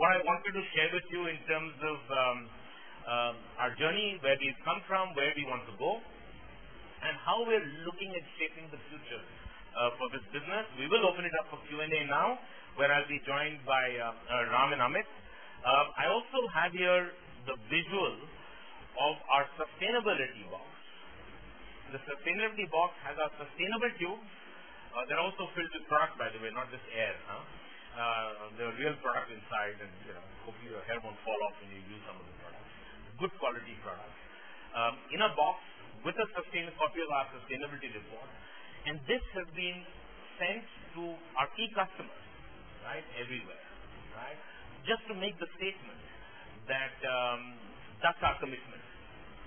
What I wanted to share with you in terms of, our journey, where we've come from, where we want to go, and how we're looking at shaping the future, for this business. We will open it up for Q&A now, where I'll be joined by, Ram and Amit. I also have here the visual of our sustainability box. The sustainability box has our sustainable tubes, they're also filled with product, by the way, not just air, huh. There are real products inside, and, you know, hope your hair won't fall off when you use some of the products. Good quality products. In a box with a copy of our sustainability report. This has been sent to our key customers, right? Everywhere, right? Just to make the statement that's our commitment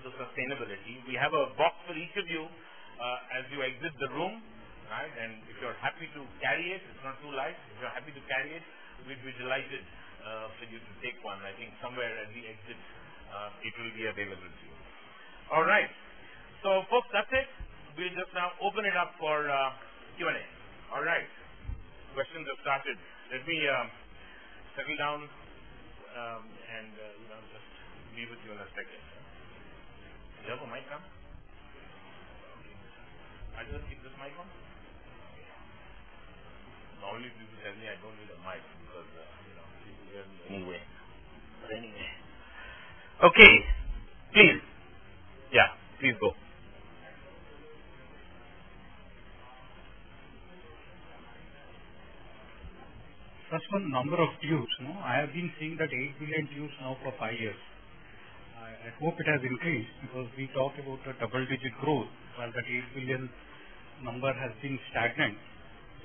to sustainability. We have a box for each of you as you exit the room, right? If you're happy to carry it's not too light. If you're happy to carry it, we'd be delighted for you to take one. I think somewhere as we exit it will be available to you. All right. Folks, that's it. We'll just now open it up for Q&A. All right. Questions have started. Let me settle down and you know just be with you in a second. Do you have a mic, huh? I just keep this mic on? Normally people tell me I don't need a mic because you know people hear me anyway. Anyway. Okay. Please. Yeah. Please go. First one, number of tubes, no? I have been seeing that 8 billion tubes now for five years. I hope it has increased because we talked about a double-digit growth while that 8 billion number has been stagnant.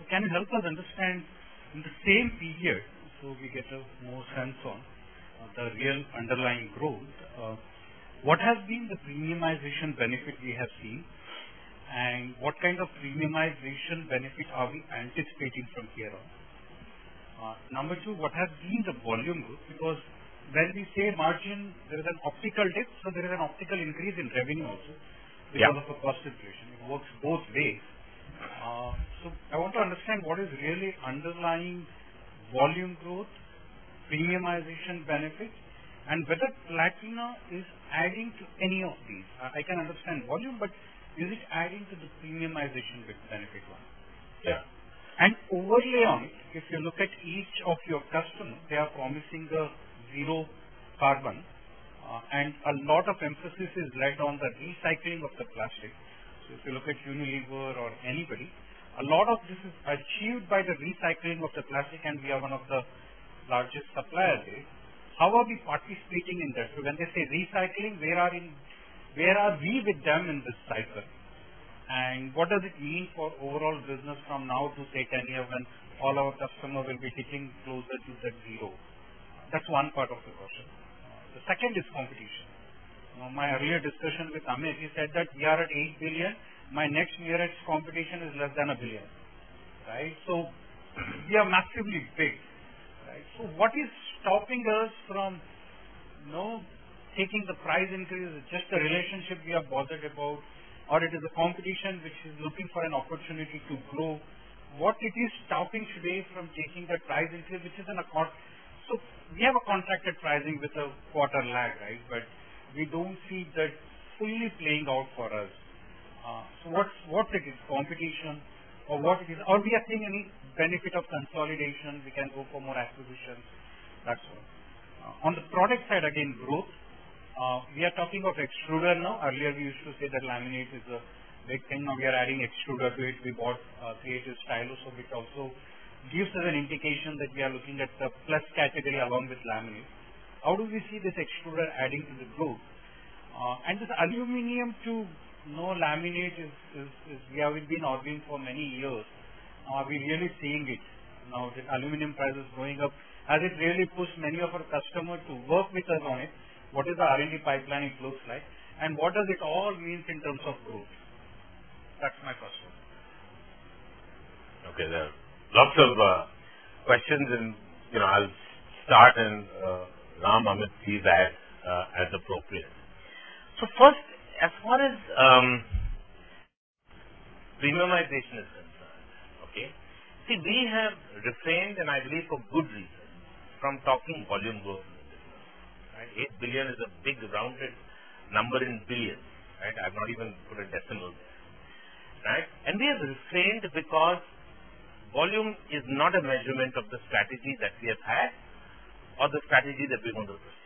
Can you help us understand in the same period, so we get a more sense on the real underlying growth, what has been the premiumization benefit we have seen, and what kind of premiumization benefit are we anticipating from here on? Number two, what has been the volume growth? Because when we say margin, there is an optical dip, so there is an optical increase in revenue also. Yeah. Because of the cost inflation. It works both ways. I want to understand what is really underlying volume growth, premiumization benefits, and whether Platina is adding to any of these. I can understand volume, but is it adding to the premiumization benefit one? Yeah. Overall, if you look at each of your customers, they are promising a zero carbon, and a lot of emphasis is laid on the recycling of the plastic. If you look at Unilever or anybody, a lot of this is achieved by the recycling of the plastic, and we are one of the largest suppliers there. How are we participating in that? When they say recycling, where are we with them in this cycle? And what does it mean for overall business from now to, say, 10 years when all our customers will be thinking closer to that zero? That's one part of the question. The second is competition. You know, my earlier discussion with Amit, he said that we are at 8 billion. My next nearest competition is less than 1 billion, right? We are massively big, right? What is stopping us from, you know, taking the price increases? Just the relationship we are bothered about, or it is a competition which is looking for an opportunity to grow. What it is stopping today from taking the price increase, which is an accord. We have a contracted pricing with a quarter lag, right? We don't see that fully playing out for us. What is it? Competition or what? Are we seeing any benefit of consolidation? We can go for more acquisitions. That's all. On the product side, again, growth. We are talking of extruded now. Earlier, we used to say that laminate is a big thing. Now we are adding extruded to it. We bought Creative Stylo Packs, which also gives us an indication that we are looking at the PBL category along with laminate. How do we see this extruder adding to the growth? This aluminum tube laminate, you know, is what we have been offering for many years. Now are we really seeing it now that aluminum price is going up? Has it really pushed many of our customers to work with us on it? What does the R&D pipeline look like? What does it all mean in terms of growth? That's my question. Okay. There are lots of questions and, you know, I'll start and, Ram, Amit, please add, as appropriate. First, as far as premiumization is concerned, okay? See, we have refrained, and I believe for good reason, from talking volume growth in this business, right? 8 billion is a big rounded number in billions, right? I've not even put a decimal there, right? We have refrained because volume is not a measurement of the strategy that we have had or the strategy that we want to pursue. Okay?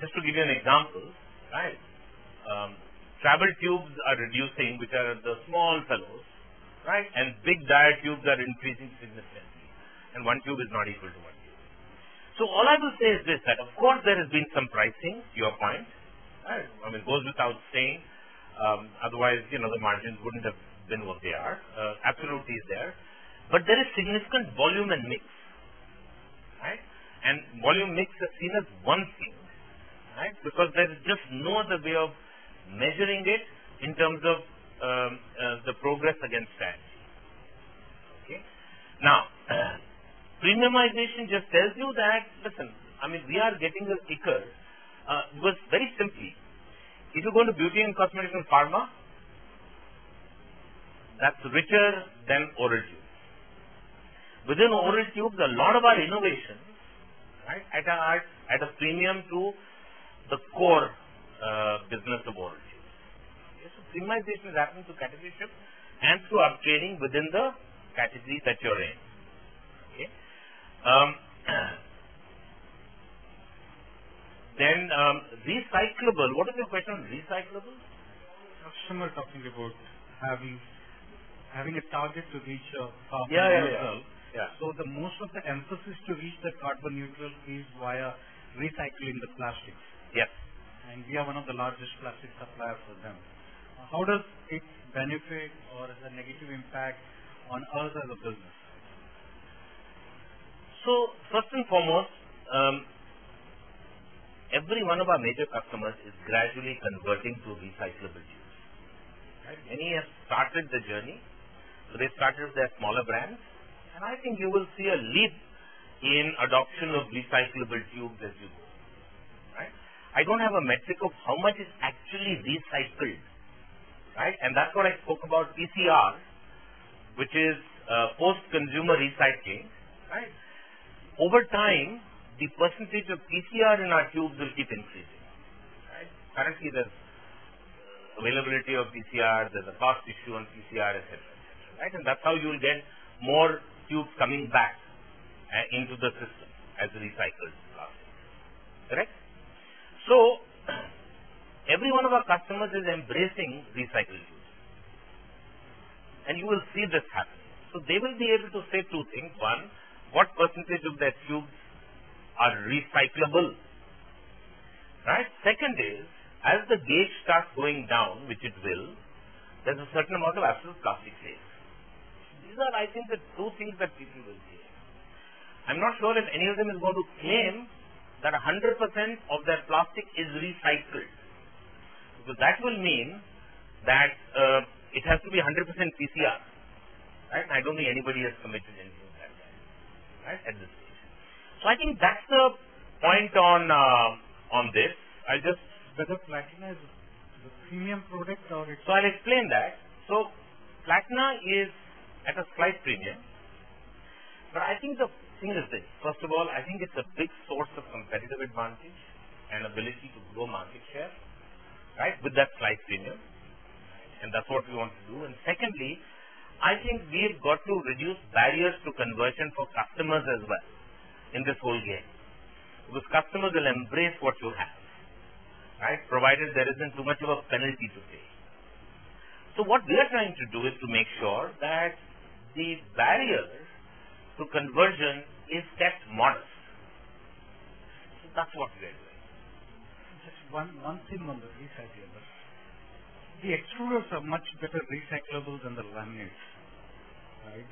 Just to give you an example, right? Travel tubes are reducing because the small fellows, right, and big diameter tubes are increasing significantly, and one tube is not equal to one tube. All I will say is this, that of course there has been some pricing to your point, right? I mean, it goes without saying. Otherwise, you know, the margins wouldn't have been what they are. Absolutely is there. There is significant volume and mix, right? Volume mix are seen as one thing, right? Because there is just no other way of measuring it in terms of, the progress against that. Okay? Now, premiumization just tells you that, listen, I mean, we are getting the kicker, because very simply, if you go to Beauty & Cosmetics and Pharma. That's richer than oral tubes. Within oral tubes, a lot of our innovation, right, at a premium to the core business of oral. There's a premiumization happening through category shift and through upscaling within the category that you're in. Okay? Recyclable. What is your question on recyclable? All the customers are talking about having a target to reach carbon neutral. Yeah, yeah. Most of the emphasis to reach that carbon neutral is via recycling the plastics. Yeah. We are one of the largest plastic suppliers for them. How does it benefit or is a negative impact on other business? First and foremost, every one of our major customers is gradually converting to recyclable tubes. Right? Many have started the journey. They started their smaller brands, and I think you will see a leap in adoption of recyclable tubes as you go. Right? I don't have a metric of how much is actually recycled, right? That's what I spoke about PCR, which is post-consumer recycling, right? Over time, the percentage of PCR in our tubes will keep increasing, right? Currently, there's availability of PCR, there's a cost issue on PCR, et cetera, et cetera, right? That's how you'll get more tubes coming back into the system as recycled products. Correct? Every one of our customers is embracing recycled tubes, and you will see this happening. They will be able to say two things. One, what percentage of their tubes are recyclable, right? Second is, as the gauge starts going down, which it will, there's a certain amount of absolute plastic saved. These are I think the two things that people will hear. I'm not sure if any of them is going to claim that 100% of their plastic is recycled, because that will mean that, it has to be 100% PCR, right? I don't think anybody has committed anything like that, right? At this stage. I think that's the point on this. The Platina is the premium product or it's- I'll explain that. Platina is at a slight premium, but I think the thing is this. First of all, I think it's a big source of competitive advantage and ability to grow market share, right? With that slight premium, and that's what we want to do. Secondly, I think we've got to reduce barriers to conversion for customers as well in this whole game, because customers will embrace what you have, right? Provided there isn't too much of a penalty to pay. What we're trying to do is to make sure that the barriers to conversion is kept modest. That's what we're doing. Just one thing on the recyclables. The extruders are much better recyclable than the laminates.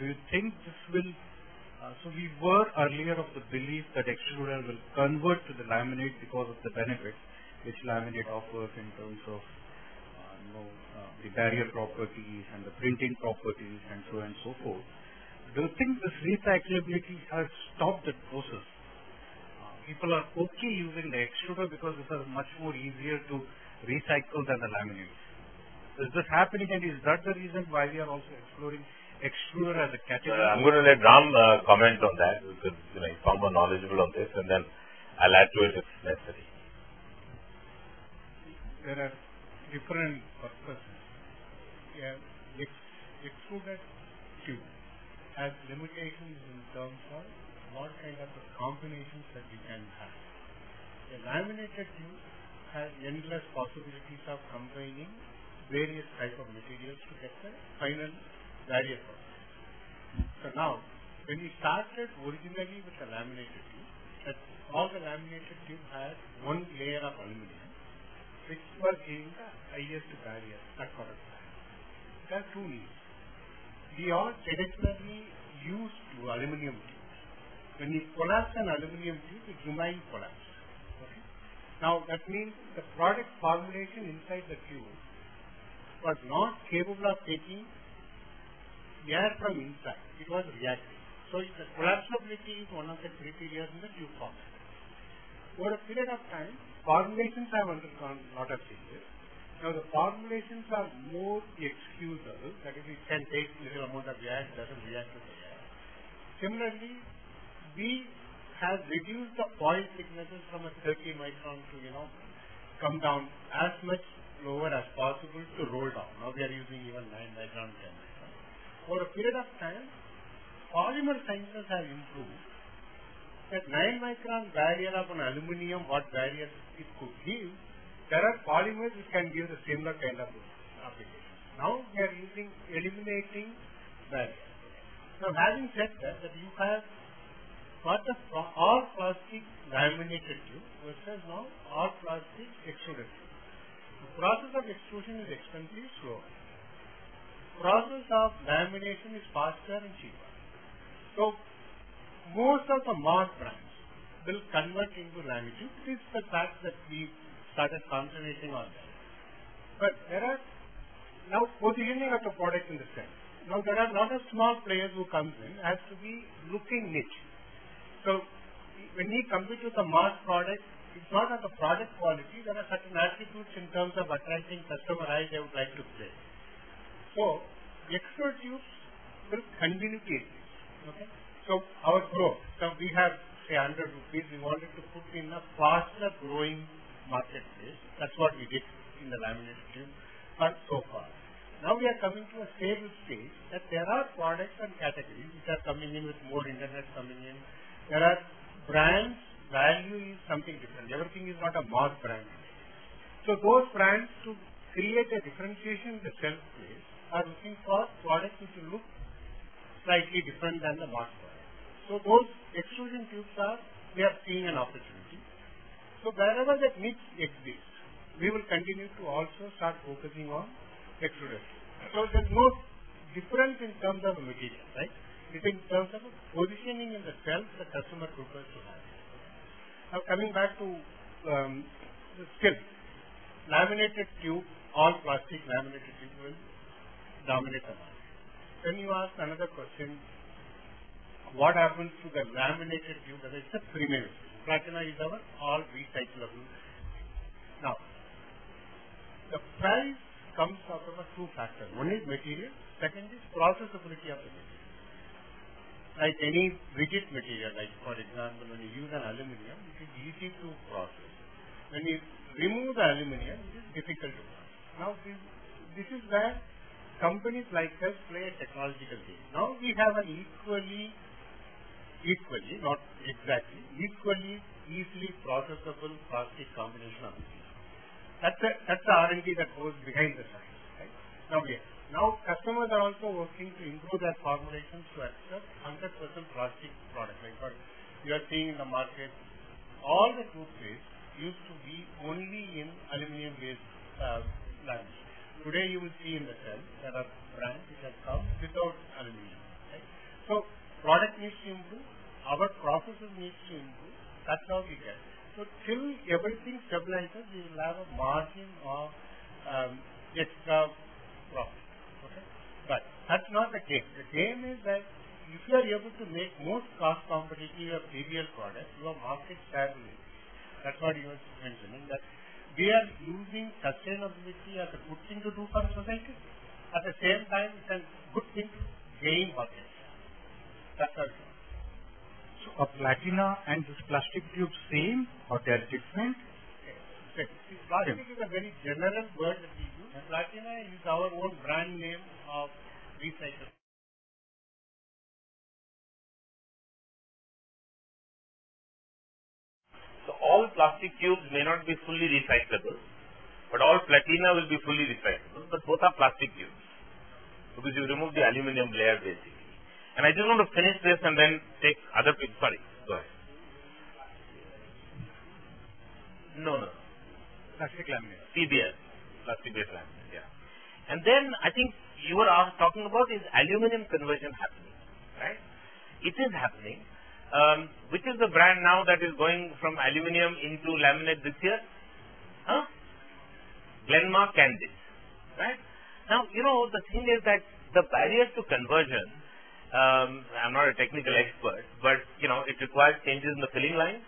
We were earlier of the belief that extruder will convert to the laminate because of the benefit which laminate offers in terms of, you know, the barrier properties and the printing properties and so on and so forth. Do you think this recyclability has stopped that process? People are okay using the extruder because these are much more easier to recycle than the laminates. Is this happening and is that the reason why we are also exploring extruder as a category? I'm gonna let Ram comment on that because he's like far more knowledgeable on this, and then I'll add to it if necessary. There are different processes. Yeah. Extruded tube has limitations in terms of what kind of a combinations that we can have. A laminated tube has endless possibilities of combining various type of materials to get the final barrier properties. Now, when we started originally with a laminated tube, that all the laminated tube has one layer of aluminum which was giving the highest barrier, if I call it that. There are two reasons. We all traditionally used to aluminum tubes. When you collapse an aluminum tube, it remains collapsed. Okay. Now, that means the product formulation inside the tube was not capable of taking air from inside. It was reacting. The collapsibility is one of the criteria in the tube concept. Over a period of time, formulations have undergone lot of changes. Now, the formulations are more excusable, that is it can take little amount of air, it doesn't react with the air. Similarly, we have reduced the foil thicknesses from a 30 micron to, you know, come down as much lower as possible to roll down. Now we are using even 9 micron, 10 micron. Over a period of time, polymer sciences have improved. That 9-micron barrier of an aluminum, what barriers it could give, there are polymers which can give the similar kind of it. Now we are using eliminating barrier. Now, having said that you have got the all-plastic laminated tube versus now all-plastic extruded tube. The process of extrusion is extremely slower. Process of lamination is faster and cheaper. So most of the mass brands will convert into laminate. It's the fact that we started concentrating on that. But there are. Positioning of the product in the sense. There are a lot of small players who come in, have to be looking for niche. When we compete with the mass product, it's not on the product quality. There are certain attributes in terms of attracting customer's eyes they would like to play. Extruded will continue to exist, okay? Our growth. Now, we have, say, 100 rupees. We wanted to put in a faster growing marketplace. That's what we did in the laminated tube and so far. Now we are coming to a stable stage that there are products and categories which are coming in with more entrants coming in. There are brands valuing something different. Everything is not a mass brand today. Those brands to create a differentiation in the shelf space are looking for products which will look slightly different than the mass product. We are seeing an opportunity. Wherever that niche exists, we will continue to also start focusing on extrusion. There's no difference in terms of material, right? It's in terms of positioning in the shelf the customer group wants to have. Now, coming back to the still. Laminated tube, all plastic laminated tube will dominate the market. You ask another question, what happens to the laminated tube that is the premium? Platina is our all recyclable. Now, the brand comes out of two factors. One is material, second is processability of the material. Like any rigid material, like for example, when you use an aluminum, it is easy to process. When you remove the aluminum, it is difficult to process. Now, this is where companies like us play a technological game. Now we have an equally easily processable plastic combination of material. That's the R&D that goes behind the science, right? Okay. Now, customers are also working to improve their formulations to a 100% plastic product. Like what you are seeing in the market, all the toothpastes used to be only in aluminum-based package. Today, you will see on the shelf there are brands which have come without aluminum, right? Product needs to improve. Our processes needs to improve. That's how we get it. Till everything stabilizes, we will have a margin of extra profit. Okay? That's not the game. The game is that if you are able to make more cost competitive barrier products, your market share will increase. That's what you were mentioning, that we are using sustainability as a good thing to do for the society. At the same time, it has good business gain potential. That's our view. Are Platina and this plastic tube same or they are different? Okay. See, plastic is a very general word that we use. Platina is our own brand name of recyclable. All plastic tubes may not be fully recyclable, but all Platina will be fully recyclable. Both are plastic tubes because you remove the aluminum layer basically. I just want to finish this and then take other picks. Sorry. Go ahead. No, no. Plastic laminate. PBL. Plastic Barrier Laminate. Yeah. I think you were talking about is aluminum conversion happening, right? It is happening. Which is the brand now that is going from aluminum into laminate this year? Glenmark Candid, right? Now, you know, the thing is that the barriers to conversion, I'm not a technical expert, but, you know, it requires changes in the filling lines.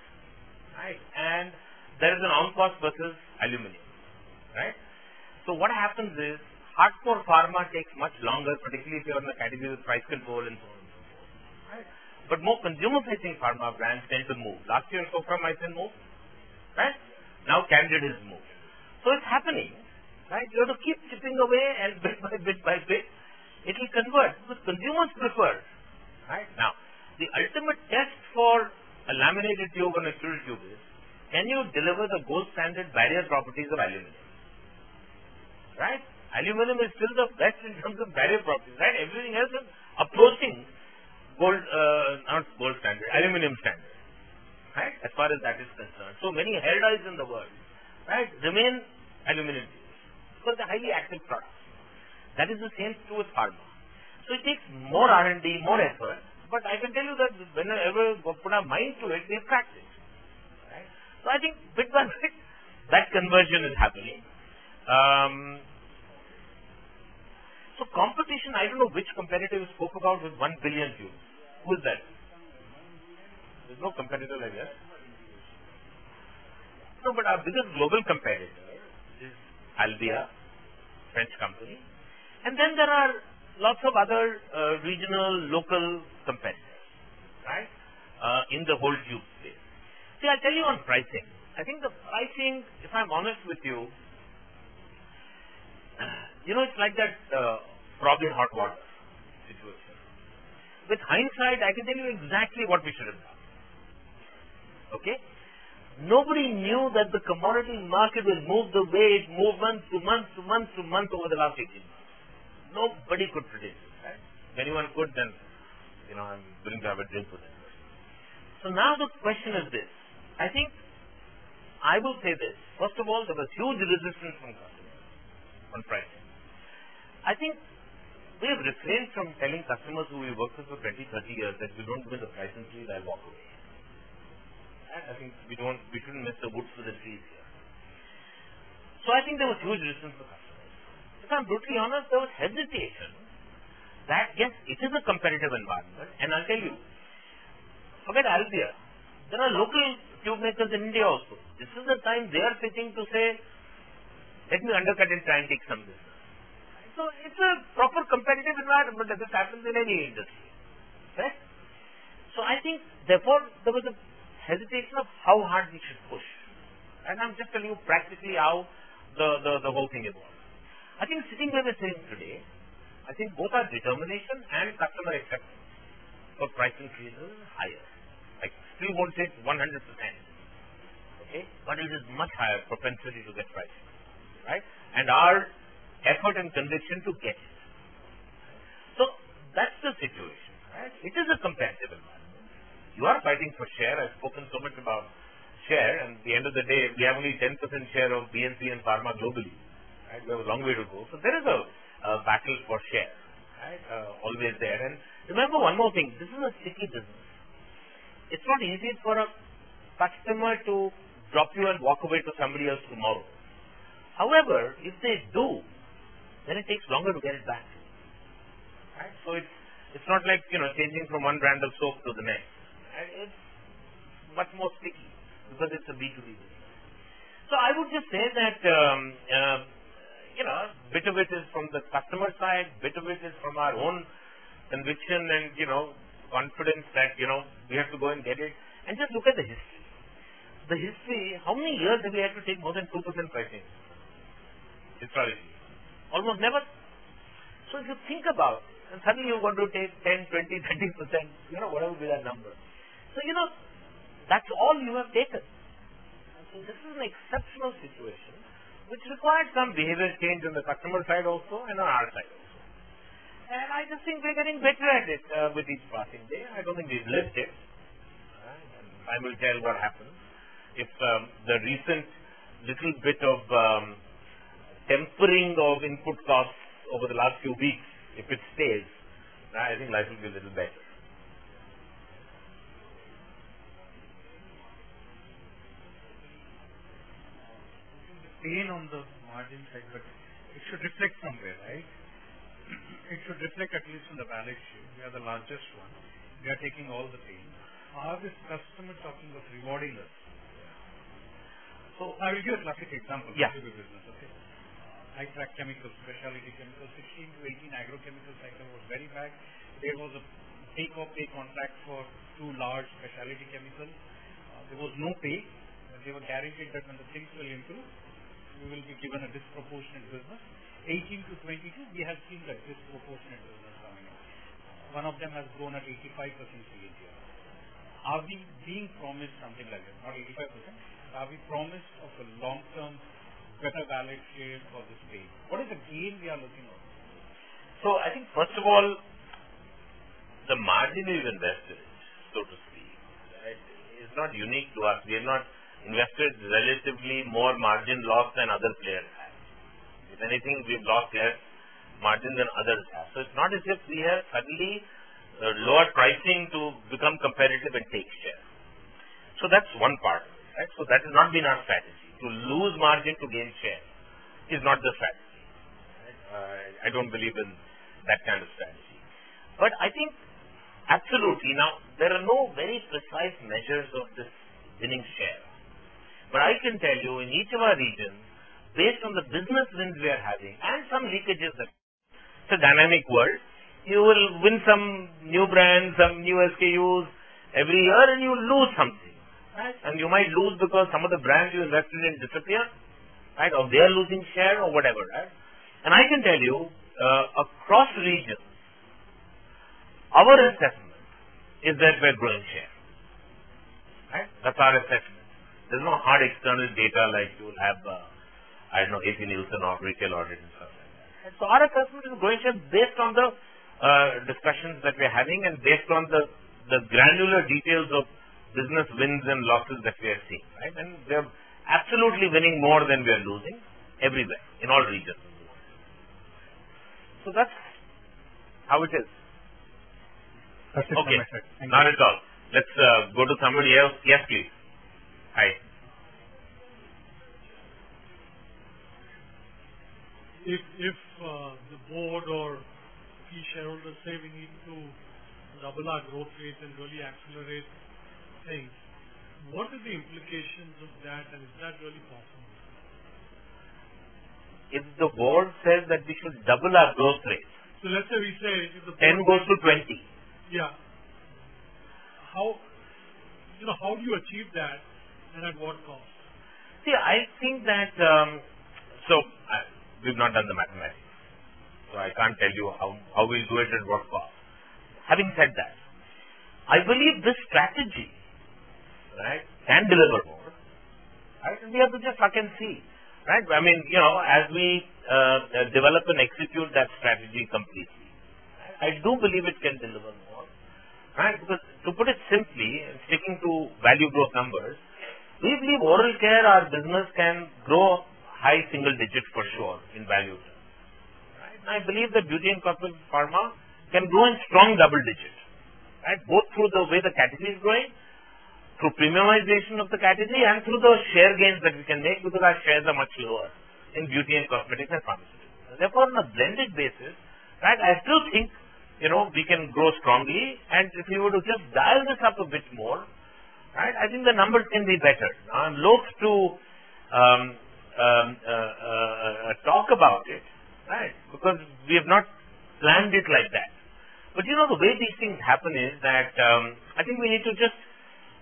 Right. There is an on-cost versus aluminum, right? What happens is hardcore Pharma takes much longer, particularly if you're on the category with price control and so on and so forth, right? More consumer facing Pharma brands tend to move. Last year, Soframycin moved, right? Now, Candid has moved. It's happening, right? You have to keep chipping away and bit by bit by bit it will convert because consumers prefer it, right? Now, the ultimate test for a laminated tube or an extruded tube is can you deliver the gold standard barrier properties of aluminum, right? Aluminum is still the best in terms of barrier properties, right? Everything else is approaching gold, not gold standard, aluminum standard, right? As far as that is concerned. Many hair dyes in the world, right, remain aluminum tubes because they're highly active products. That is the same true with Pharma. It takes more R&D, more effort. I can tell you that whenever we put our mind to it, we have cracked it, right? I think bit by bit that conversion is happening. Competition, I don't know which competitor you spoke about with 1 billion tubes. Who is that? There's no competitor like that. No, but our biggest global competitor is Albéa, French company. Then there are lots of other, regional, local competitors, right? In the whole tube space. See, I'll tell you on pricing. I think the pricing, if I'm honest with you know, it's like that, frog in hot water situation. With hindsight, I can tell you exactly what we should have done, okay? Nobody knew that the commodity market will move the way it moved month to month over the last 18 months. Nobody could predict this, right? If anyone could, then, you know, I'm willing to have a drink with that person. Now the question is this. I think I will say this, first of all, there was huge resistance from customers on pricing. I think we have refrained from telling customers who we worked with for 20, 30 years that you don't do the price increase, I walk away. I think we shouldn't miss the woods for the trees here. I think there were huge reasons for caution. If I'm brutally honest, there was hesitation that, yes, it is a competitive environment. I'll tell you, forget Albéa. There are local tube makers in India also. This is the time they are sitting to say, "Let me undercut and try and take some business." It's a proper competitive environment as it happens in any industry, right? I think therefore, there was a hesitation of how hard we should push. I'm just telling you practically how the whole thing evolved. I think sitting where we're sitting today, I think both our determination and customer acceptance for pricing increases is higher. Like 3 voltage 100%. Okay? It is much higher propensity to get pricing, right? Our effort and conviction to get it. That's the situation, right? It is a competitive environment. You are fighting for share. I've spoken so much about share, and at the end of the day, we have only 10% share of B&C and Pharma globally, right? There's a long way to go. There is a battle for share, right? Always there. Remember one more thing, this is a sticky business. It's not easy for a customer to drop you and walk away to somebody else tomorrow. However, if they do, then it takes longer to get it back, right? It's not like, you know, changing from one brand of soap to the next. It's much more sticky because it's a B2B business. I would just say that, you know, bit of it is from the customer side, bit of it is from our own conviction and, you know, confidence that, you know, we have to go and get it. Just look at the history. The history, how many years have we had to take more than 2% pricing historically? Almost never. If you think about and suddenly you're going to take 10%, 20%, 30%, you know, whatever be that number. You know, that's all newer data. This is an exceptional situation which requires some behavior change on the customer side also and on our side also. I just think we're getting better at it, with each passing day. I don't think we've lived it, right? I will tell what happens if the recent little bit of tempering of input costs over the last few weeks, if it stays, I think life will be a little better. The pain on the margin side that it should reflect somewhere, right? It should reflect at least in the balance sheet. We are the largest one. We are taking all the pain. Are these customers talking of rewarding us? I will give a classic example. Yeah. Of tube business, okay? I track chemicals, specialty chemicals. 16-18 agrochemical cycle was very bad. There was a take or pay contract for two large specialty chemicals. There was no pay. They were guaranteed that when the things will improve, we will be given a disproportionate business. 18-22, we have seen that disproportionate business coming up. One of them has grown at 85% CAGR. Are we being promised something like that? Not 85%. Are we promised of a long-term better balance sheet for this pain? What is the gain we are looking for? I think first of all, the margin is invested, so to speak, right? It's not unique to us. We have not invested relatively more margin loss than other players have. If anything, we've lost less margin than others have. It's not as if we have suddenly lowered pricing to become competitive and take share. That's one part of it, right? That has not been our strategy. To lose margin to gain share is not the strategy. I don't believe in that kind of strategy. I think absolutely. Now, there are no very precise measures of this winning share. I can tell you in each of our regions, based on the business wins we are having and some leakages that. It's a dynamic world. You will win some new brands, some new SKUs every year, and you'll lose something, right? You might lose because some of the brands you invested in disappear, right? Or they are losing share or whatever, right? I can tell you, across regions, our assessment is that we're growing share, right? That's our assessment. There's no hard external data like you'll have, I don't know, Nielsen or retail audit and stuff like that. Our assessment is growing share based on the discussions that we're having and based on the granular details of business wins and losses that we are seeing, right? We are absolutely winning more than we are losing everywhere, in all regions. That's how it is. That's just my question. Thank you. Okay. Not at all. Let's go to somebody else. Yes, please. Hi. If the board or key shareholders say we need to double our growth rate and really accelerate things, what are the implications of that and is that really possible? If the board says that we should double our growth rate. Let's say if the. 10 goes to 20. Yeah. You know, how do you achieve that and at what cost? See, I think that we've not done the mathematics, so I can't tell you how we'll do it at what cost. Having said that, I believe this strategy, right, can deliver more, right? We have to just fuckin' see, right? I mean, you know, as we develop and execute that strategy completely, right? I do believe it can deliver more, right? Because to put it simply, and sticking to value growth numbers, we believe Oral Care, our business can grow high single digits for sure in values. I believe that Beauty & Cosmetics and Pharma can grow in strong double digits, right? Both through the way the category is growing, through premiumization of the category, and through the share gains that we can make because our shares are much lower in Beauty & Cosmetics and Pharmaceuticals. Therefore, on a blended basis, right, I still think, you know, we can grow strongly. If we were to just dial this up a bit more, right, I think the numbers can be better. I'm loath to talk about it, right, because we have not planned it like that. You know, the way these things happen is that I think we need to just,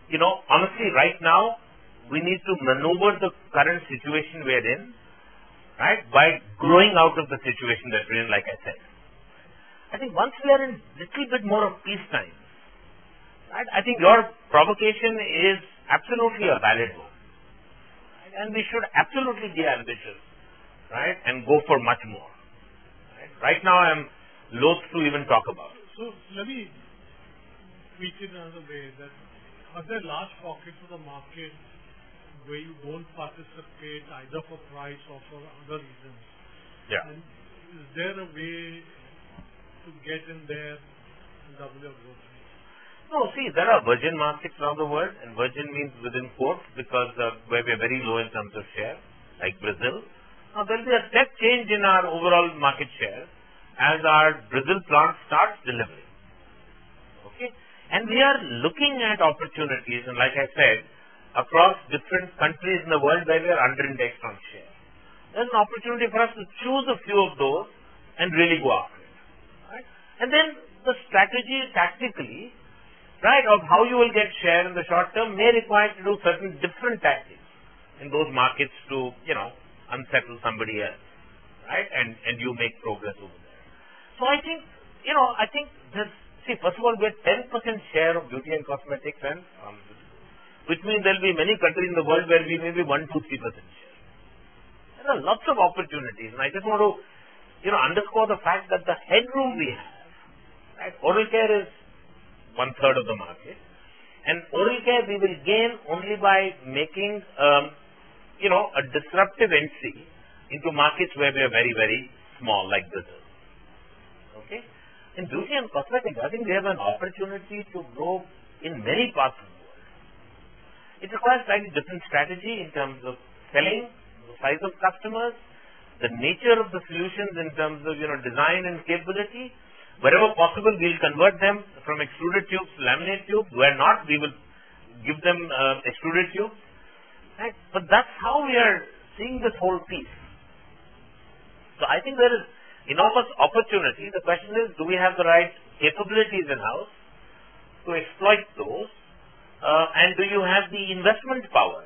you know, honestly, right now we need to maneuver the current situation we are in, right, by growing out of the situation that we're in, like I said. I think once we are in little bit more of peacetime, right, I think your provocation is absolutely a valid one, right? We should absolutely be ambitious, right, and go for much more. Right? Right now I am loath to even talk about it. Let me put it another way. That are there large pockets of the market where you won't participate either for price or for other reasons? Yeah. Is there a way to get in there and double your growth rate? No. See, there are virgin markets around the world, and virgin means within quotes because where we are very low in terms of share, like Brazil. Now there'll be a step change in our overall market share as our Brazil plant starts delivering. Okay? We are looking at opportunities, and like I said, across different countries in the world where we are under indexed on share. There's an opportunity for us to choose a few of those and really go after it. Right? Then the strategy tactically, right, of how you will get share in the short term may require to do certain different tactics in those markets to, you know, unsettle somebody else, right, and you make progress over there. I think, you know, there's. See, first of all, we have 10% share of Beauty & Cosmetics and Pharmaceuticals, which means there'll be many countries in the world where we may be 1%-3% share. There are lots of opportunities. I just want to, you know, underscore the fact that the headroom we have, right? Oral Care is one-third of the market. Oral Care we will gain only by making, you know, a disruptive entry into markets where we are very, very small, like Brazil. Okay? In Beauty & Cosmetics, I think we have an opportunity to grow in many parts of the world. It requires slightly different strategy in terms of selling, the size of customers, the nature of the solutions in terms of, you know, design and capability. Wherever possible, we'll convert them from extruded tubes to laminated tubes. Where not, we will give them extruded tubes. Right? That's how we are seeing this whole piece. I think there is enormous opportunity. The question is, do we have the right capabilities in-house to exploit those, and do you have the investment power,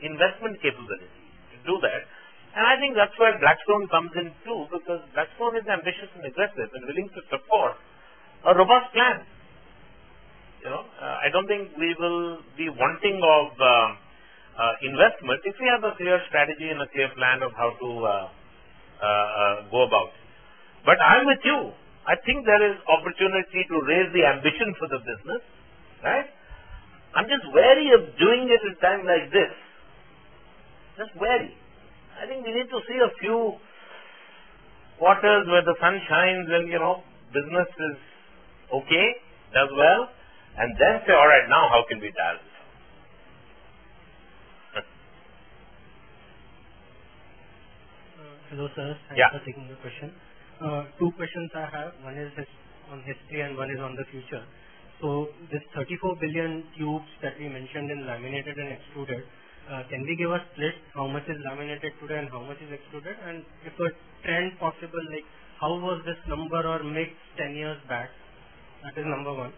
investment capability to do that? I think that's where Blackstone comes in, too, because Blackstone is ambitious and aggressive and willing to support a robust plan. You know, I don't think we will be wanting of investment if we have a clear strategy and a clear plan of how to go about it. I'm with you. I think there is opportunity to raise the ambition for the business, right? I'm just wary of doing it in time like this. Just wary. I think we need to see a few quarters where the sun shines and, you know, business is okay, does well, and then say, "All right. Now how can we dial this up? Hello, sir. Yeah. Thanks for taking the question. Two questions I have. One is just on history and one is on the future. This 34 billion tubes that we mentioned in laminated and extruded, can we give a split how much is laminated tube and how much is extruded? And if that's possible like how was this number or mix 10 years back? That is number one.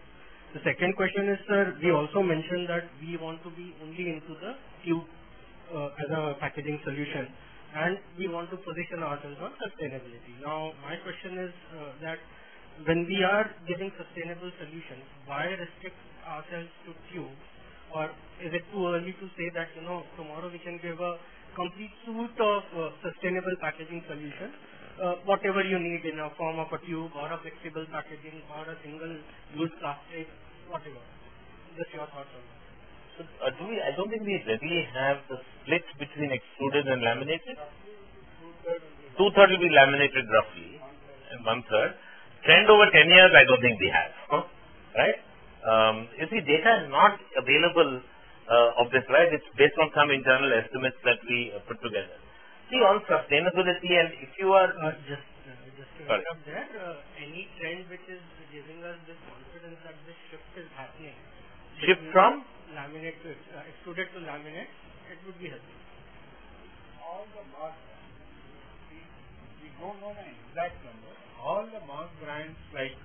The second question is, sir, we also mentioned that we want to be only into the tube, as a packaging solution and we want to position ourselves on sustainability. Now my question is, that when we are giving sustainable solutions why restrict ourselves to tubes or is it too early to say that, you know, tomorrow we can give a complete suite of sustainable packaging solutions? Whatever you need in a form of a tube or a vegetable packaging or a single-use plastic, whatever. Just your thoughts on that. I don't think we really have the split between extruded and laminated. 2/3 will be laminated roughly. 1/3. 1/3. Trend over 10 years I don't think we have. Right? You see data is not available, of this, right? It's based on some internal estimates that we put together. See on sustainability and if you are. Just to confirm that. Sorry. Any trend which is giving us this confidence that this shift is happening. Shift from? Extruded to laminated. It would be helpful. All the mass brands. See, we don't know the exact number. All the mass brands like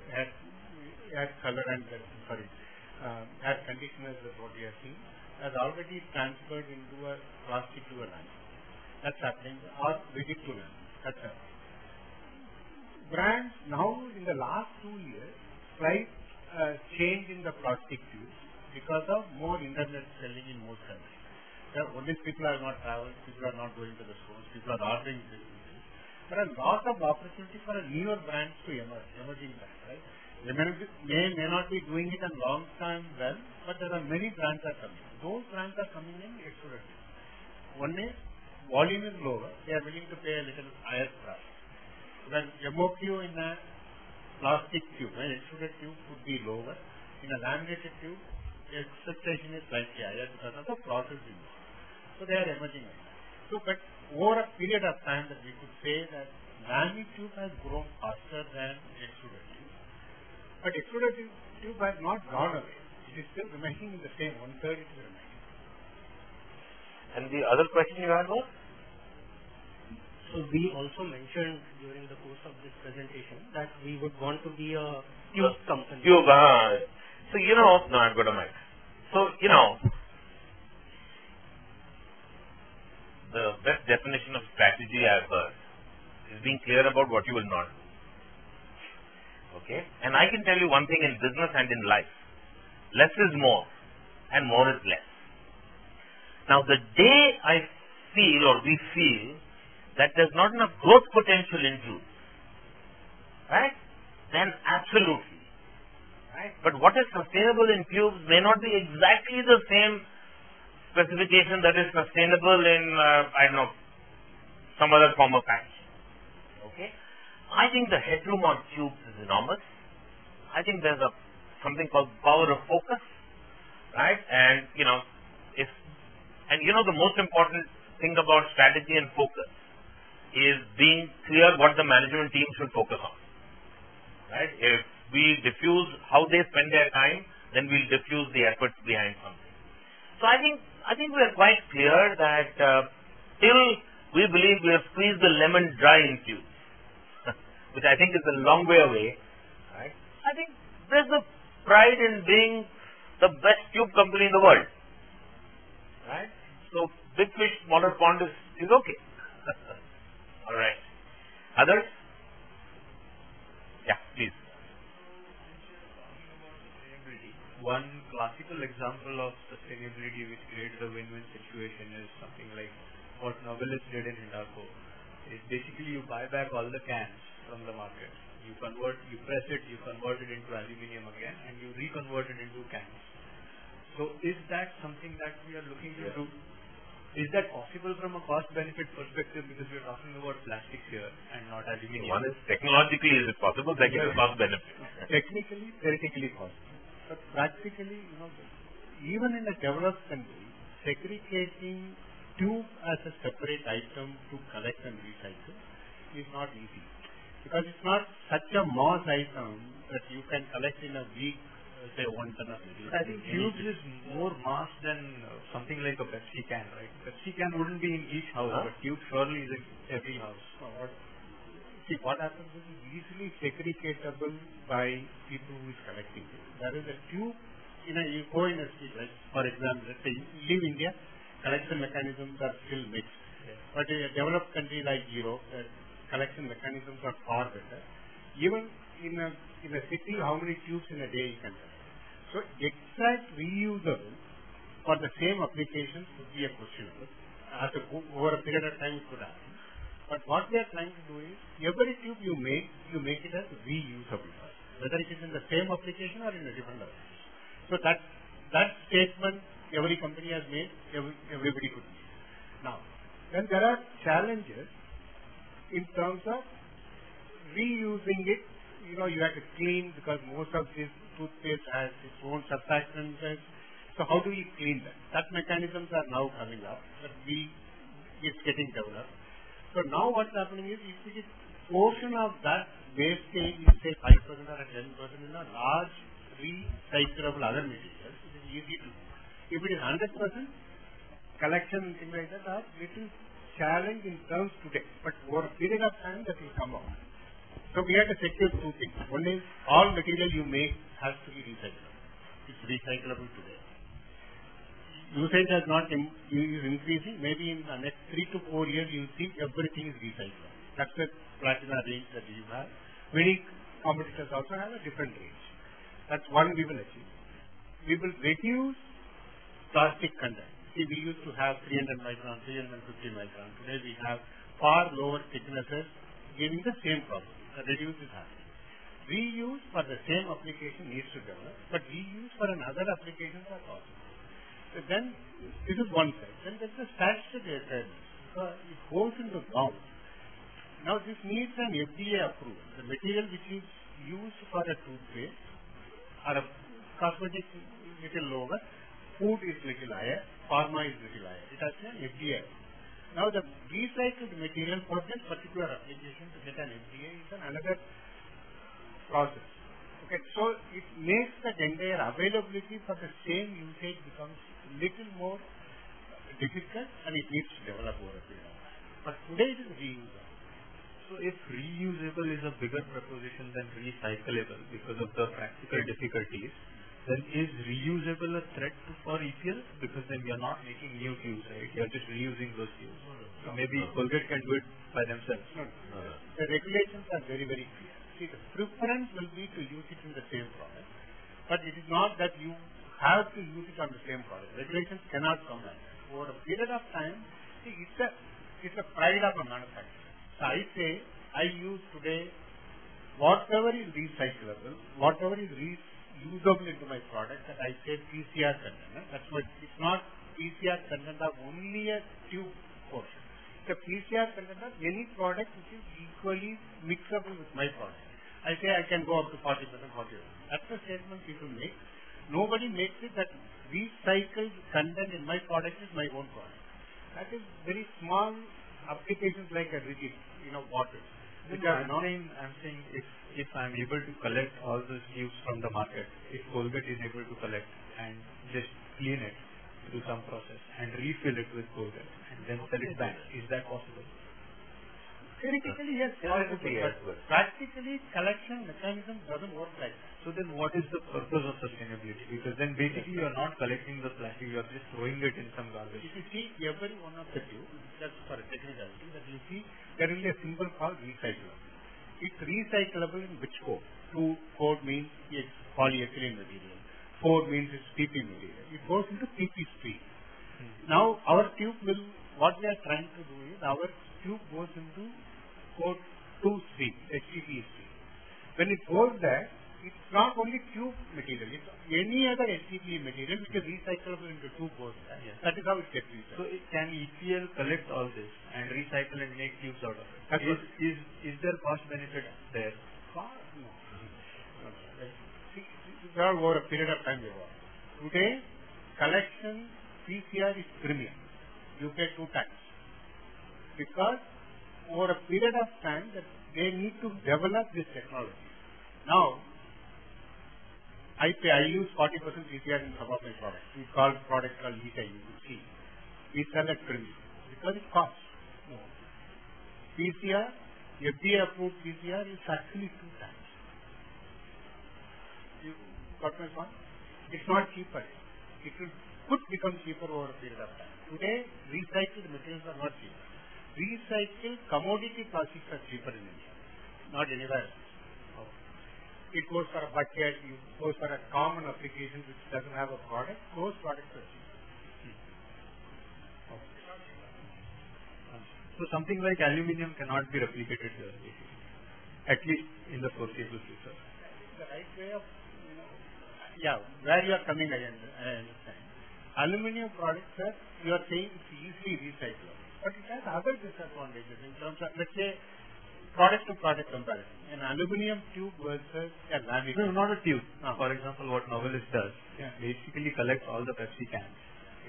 hair conditioners is what we are seeing, has already transferred into a plastic tube line. That's happening. Or rigid tube line. That's happening. Brands now in the last two years, slight change in the plastic tubes because of more internet selling in more countries. There are only people are not traveling, people are not going to the stores, people are ordering this and this. There are lots of opportunity for a newer brand to emerge, emerging brands, right? May not be doing it a long time well, but there are many brands are coming. Those brands are coming in extruded tubes. One is volume is lower. They are willing to pay a little higher price. When MOQ in a plastic tube, an extruded tube could be lower. In a laminated tube, its situation is slightly higher because of the process involved. They are emerging as well. Over a period of time that we could say that laminated tube has grown faster than extruded tube. Extruded tube has not gone away. It is still remaining in the same, 1/3 it is remaining. The other question you had was? We also mentioned during the course of this presentation that we would want to be a tube company. You know, the best definition of strategy I've heard is being clear about what you will not do. Okay? I can tell you one thing in business and in life, less is more and more is less. Now, the day I feel or we feel that there's not enough growth potential in tubes, right? Then absolutely. Right? What is sustainable in tubes may not be exactly the same specification that is sustainable in, I don't know, some other form of packaging. Okay? I think the headroom on tubes is enormous. I think there's something called power of focus, right? You know, the most important thing about strategy and focus is being clear what the management team should focus on, right? If we diffuse how they spend their time, then we'll diffuse the efforts behind something. I think we're quite clear that till we believe we have squeezed the lemon dry in tubes, which I think is a long way away, right? I think there's a pride in being the best tube company in the world, right? Big fish, smaller pond is okay. All right. Others? Yeah, please. You mentioned something about sustainability. One classical example of sustainability which creates a win-win situation is something like what Novelis has done in Hindalco. It basically you buy back all the cans from the market. You convert, you press it, you convert it into aluminum again, and you reconvert it into cans. Is that something that we are looking to do? Is that possible from a cost-benefit perspective? Because we are talking about plastics here and not aluminum. One is, technologically, is it possible. Second is cost-benefit. Technically, theoretically possible. Practically, you know, even in a developed country, segregating tubes as a separate item to collect and recycle is not easy because it's not such a mass item that you can collect in a week, say, once or maybe. I think tubes is more mass than something like a PepsiCo can, right? PepsiCo can wouldn't be in each house. Uh- Tube surely is in every house. Oh, okay. See, what happens is it's easily segregatable by people who is collecting it. That is a tube in a eco-industry, right? For example, let's say you leave India, collection mechanisms are still mixed. Yeah. In a developed country like Europe, the collection mechanisms are far better. Even in a city, how many tubes in a day will come there? Exact reusable for the same application could be a question mark. As a group, over a period of time could happen. What we are trying to do is every tube you make, you make it as reusable, whether it is in the same application or in a different application. That statement every company has made, everybody could meet. Now, then there are challenges in terms of reusing it. You know, you have to clean because most of this toothpaste has its own substances. How do you clean that? Those mechanisms are now coming up. It's getting developed. Now what's happening is if it is a portion of that waste stream, if say 5% or 10% is largely recyclable other materials, it is easy to do. If it is 100%, collection in my sense is a little challenging in today's terms. Over a period of time, that will come up. We have to secure two things. One is all material you make has to be recyclable. It's recyclable today. Usage is increasing. Maybe in the next three to four years, you'll see everything is recyclable. That's a Platina range that we have. Many competitors also have a different range. That's one we will achieve. We will reduce plastic content. See, we used to have 300 micron, 315 micron. Today, we have far lower thicknesses giving the same property. A reduction is happening. Reuse for the same application needs to develop, but reuse for another application are possible. This is one side. There are statutory requirements because it goes into mouth. Now, this needs an FDA approval. The material which is used for a toothpaste or a cosmetic is little lower, food is little higher, Pharma is little higher. It has an FDA approval. Now, the recycled material for this particular application to get an FDA is another process. Okay. It makes that entire availability for the same usage becomes little more difficult, and it needs develop over a period of time. Today it is reusable. If reusable is a bigger proposition than recyclable because of the practical difficulties, then is reusable a threat for EPL? Because then we are not making new tubes, right? We are just reusing those tubes. No, no. Maybe Colgate can do it by themselves. No, no. The regulations are very, very clear. See, the preference will be to use it in the same product, but it is not that you have to use it on the same product. Regulations cannot come like that. Over a period of time, see, it's a pride of a manufacturer. I say I use today, whatever is recyclable, whatever is re-used into my product that I said PCR content, that's what. It's not PCR content of only a tube portion. The PCR content of any product which is equally mixable with my product. I say I can go up to 40%, whatever. That's a statement people make. Nobody makes it that recycled content in my product is my own product. That is very small applications like a refill, you know, bottles. Which are not- I'm saying if I'm able to collect all those tubes from the market, if Colgate is able to collect and just clean it through some process and refill it with Colgate and then sell it back, is that possible? Theoretically, yes, possibly. Practically, collection mechanism doesn't work like that. What is the purpose of sustainability? Because then basically you are not collecting the plastic, you are just throwing it in some garbage. If you see every one of the tube, that's for individual testing, then you'll see there is a symbol called recyclable. It's recyclable in which code? 2, code means it's polyethylene material. 4 means it's PP material. It goes into PP stream. Mm-hmm. Now, what we are trying to do is our tube goes into code two stream, HDPE stream. When it goes there, it's not only tube material, it's any other HDPE material which is recyclable into tube goes there. Yes. That is how it gets recycled. Can EPL collect all this and recycle and make tubes out of it? Of course. Is there cost benefit there? Cost, no. Okay. See, it's all over a period of time you are working. Today, collection, PCR is premium. You pay two times because over a period of time that they need to develop this technology. Now, I pay, I use 40% PCR in some of my products. We call product called. We sell at premium because it costs more. PCR, FDA-approved PCR is certainly two times. You got my point? It's not cheaper. It will become cheaper over a period of time. Today, recycled materials are not cheaper. Recycled commodity plastics are cheaper in India, not otherwise. Okay. It goes for a budget. It goes for a common application which doesn't have a product. Those products are cheaper. Something like aluminum cannot be replicated easily, at least in the foreseeable future. That is the right way of, you know. Yeah, where you are coming, I understand. Aluminum products, sir, you are saying it's easily recyclable, but it has other disadvantages in terms of, let's say, product to product comparison. An aluminum tube versus an. No, not a tube. Now, for example, what Novelis does. Yeah. It basically collects all the PepsiCo cans,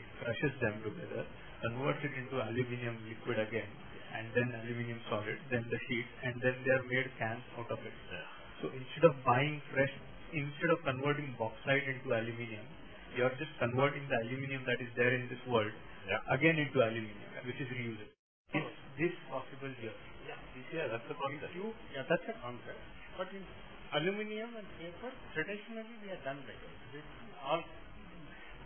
it crushes them together, converts it into aluminum liquid again, and then aluminum solid, then the sheet, and then they have made cans out of it. Yeah. Instead of converting bauxite into aluminum, you are just converting the aluminum that is there in this world. Yeah. -again into aluminum. Yeah. Which is reusable. Is this possible here? Yeah, PCR, that's the concept. With tube? That's a concept. In aluminum and paper, traditionally, we have done better. Basically,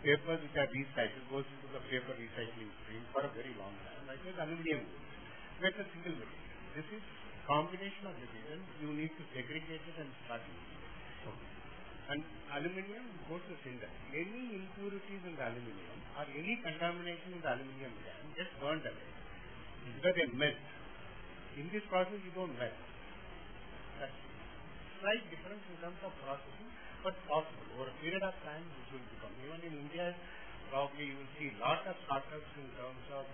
all paper which are recycled goes into the paper recycling stream for a very long time. Likewise, aluminum goes into that. That's a single material. This is combination of materials. You need to segregate it and start using it. Okay. Aluminum goes to smelter. Many impurities in the aluminum or any contamination in the aluminum can just burned away because they melt. In this process, you don't melt. Got you. Slight difference in terms of processing, but possible. Over a period of time, this will become. Even in India, probably you will see lot of startups in terms of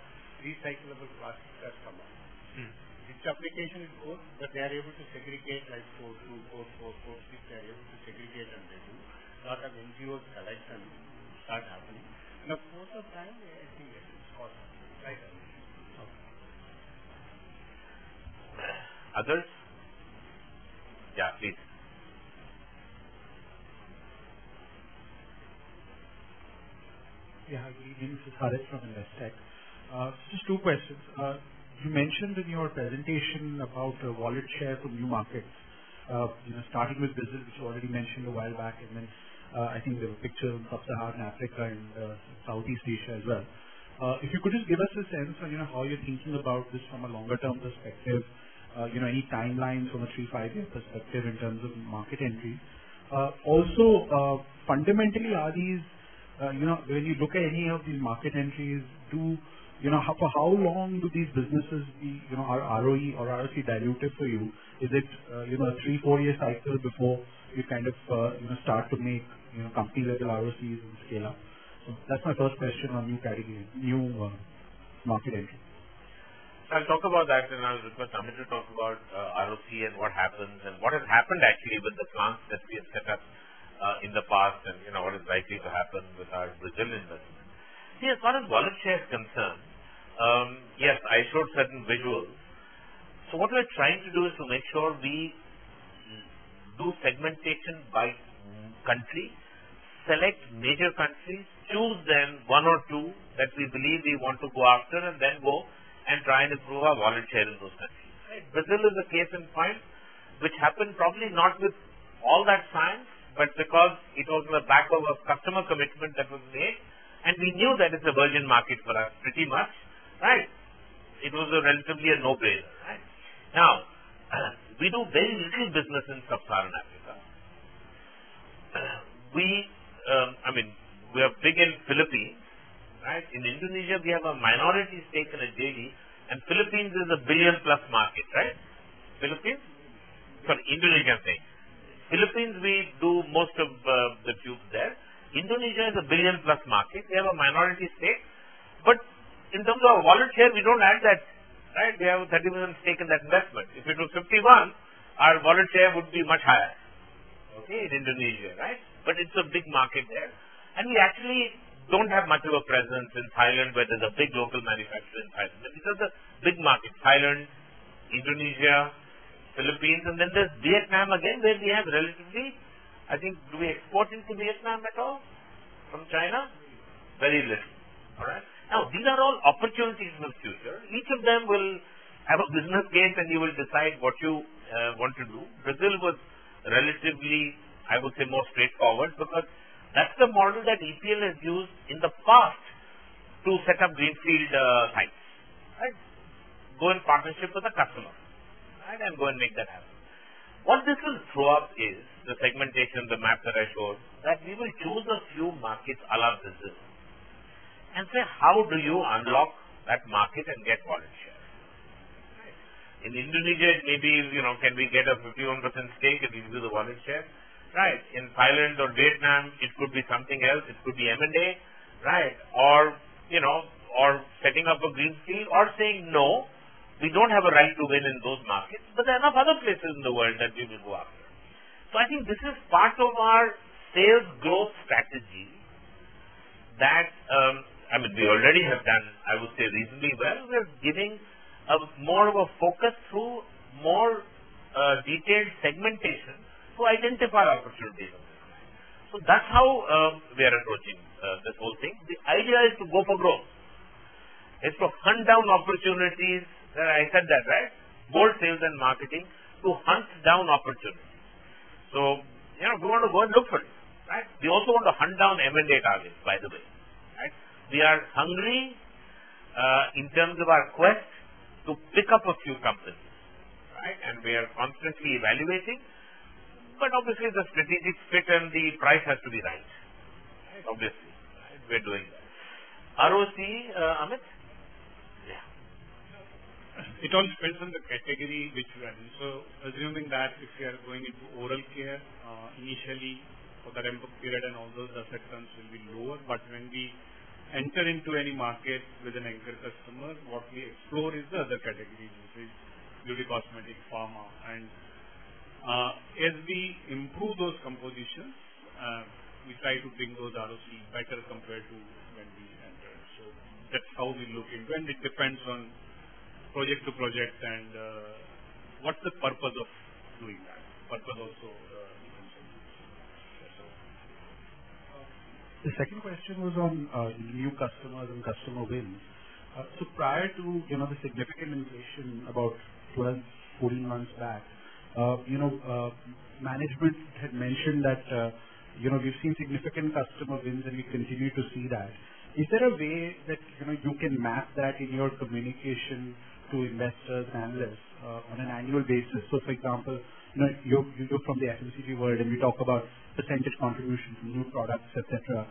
recyclable plastics that come up. Mm-hmm. Which application it goes, but they are able to segregate like code 2, code 4, code 6, they are able to segregate and reuse. Lot of NGOs collection start happening. In the course of time, I think it is possible. Right. Okay. Others? Yeah, please. Yeah. Good evening. This is Harish from Investec. Just two questions. You mentioned in your presentation about the wallet share for new markets, you know, starting with business, which you already mentioned a while back, and then, I think there was a picture of Sub-Saharan Africa and Southeast Asia as well. If you could just give us a sense of, you know, how you're thinking about this from a longer-term perspective, you know, any timeline from a three to five-year perspective in terms of market entry. Also, fundamentally, are these, you know, when you look at any of these market entries, do you know for how long do these businesses be, you know, are ROE or ROC diluted for you? Is it, you know, a three or four-year cycle before you kind of, you know, start to make, you know, company-level ROCs and scale up? That's my first question on new categories, new market entry. I'll talk about that when I request Amit to talk about ROC and what happens and what has happened actually with the plants that we have set up in the past and, you know, what is likely to happen with our Brazil investment. See, as far as wallet share is concerned, yes, I showed certain visuals. What we're trying to do is to make sure we do segmentation by country, select major countries, choose them one or two that we believe we want to go after, and then go and try and improve our wallet share in those countries, right? Brazil is a case in point, which happened probably not with all that science, but because it was the back of a customer commitment that was made, and we knew that it's a virgin market for us pretty much, right? It was a relatively no-brainer, right? Now, we do very little business in Sub-Saharan Africa. We are big in Philippines, right? In Indonesia, we have a minority stake in a JV, and Philippines is a billion-plus market, right? Philippines. Sorry, Indonesia I'm saying. Philippines, we do most of the tube there. Indonesia is a billion-plus market. We have a minority stake. In terms of wallet share, we don't add that, right? We have a 30% stake in that investment. If you do 51%, our wallet share would be much higher, okay, in Indonesia, right? It's a big market there. We actually don't have much of a presence in Thailand, where there's a big local manufacturer in Thailand. These are the big markets, Thailand, Indonesia, Philippines, and then there's Vietnam again, where we have relatively, I think. Do we export into Vietnam at all from China? Very little. Very little. All right. Now, these are all opportunities in the future. Each of them will have a business case, and you will decide what you want to do. Brazil was relatively, I would say, more straightforward because that's the model that EPL has used in the past to set up greenfield sites, right? Go in partnership with a customer, right? Go and make that happen. What this will throw up is the segmentation, the map that I showed, that we will choose a few markets around the system and say, how do you unlock that market and get wallet share? Right. In Indonesia, it maybe is, you know, can we get a 51% stake and this is the wallet share, right? In Thailand or Vietnam, it could be something else, it could be M&A, right? You know, setting up a greenfield or saying, "No, we don't have a right to win in those markets," but there are enough other places in the world that we will go after. I think this is part of our sales growth strategy that, I mean, we already have done, I would say, reasonably well. We are giving more of a focus through more detailed segmentation to identify opportunities. That's how we are approaching the whole thing. The idea is to go for growth. It's to hunt down opportunities. I said that, right? Both sales and marketing to hunt down opportunities. You know, we want to go and look for it, right? We also want to hunt down M&A targets, by the way, right? We are hungry in terms of our quest to pick up a few companies, right? We are constantly evaluating. Obviously, the strategic fit and the price has to be right. Obviously, we're doing that. ROC, Amit? Yeah. It all depends on the category which we are in. Assuming that if you are going into Oral Care, initially for the ramp-up period and all those acceptance will be lower. When we enter into any market with an anchor customer, what we explore is the other categories, which is Beauty & Cosmetics, Pharma. As we improve those compositions, we try to bring those ROC better compared to when we entered. That's how we look into, and it depends on project to project and, what's the purpose of doing that. Purpose also comes into play. That's all. The second question was on new customers and customer wins. Prior to, you know, the significant inflation about 12-14 months back, you know, management had mentioned that, you know, we've seen significant customer wins and we continue to see that. Is there a way that, you know, you can map that in your communication to investors and analysts on an annual basis? For example, you know, you're from the FMCG world and we talk about percentage contribution from new products, et cetera.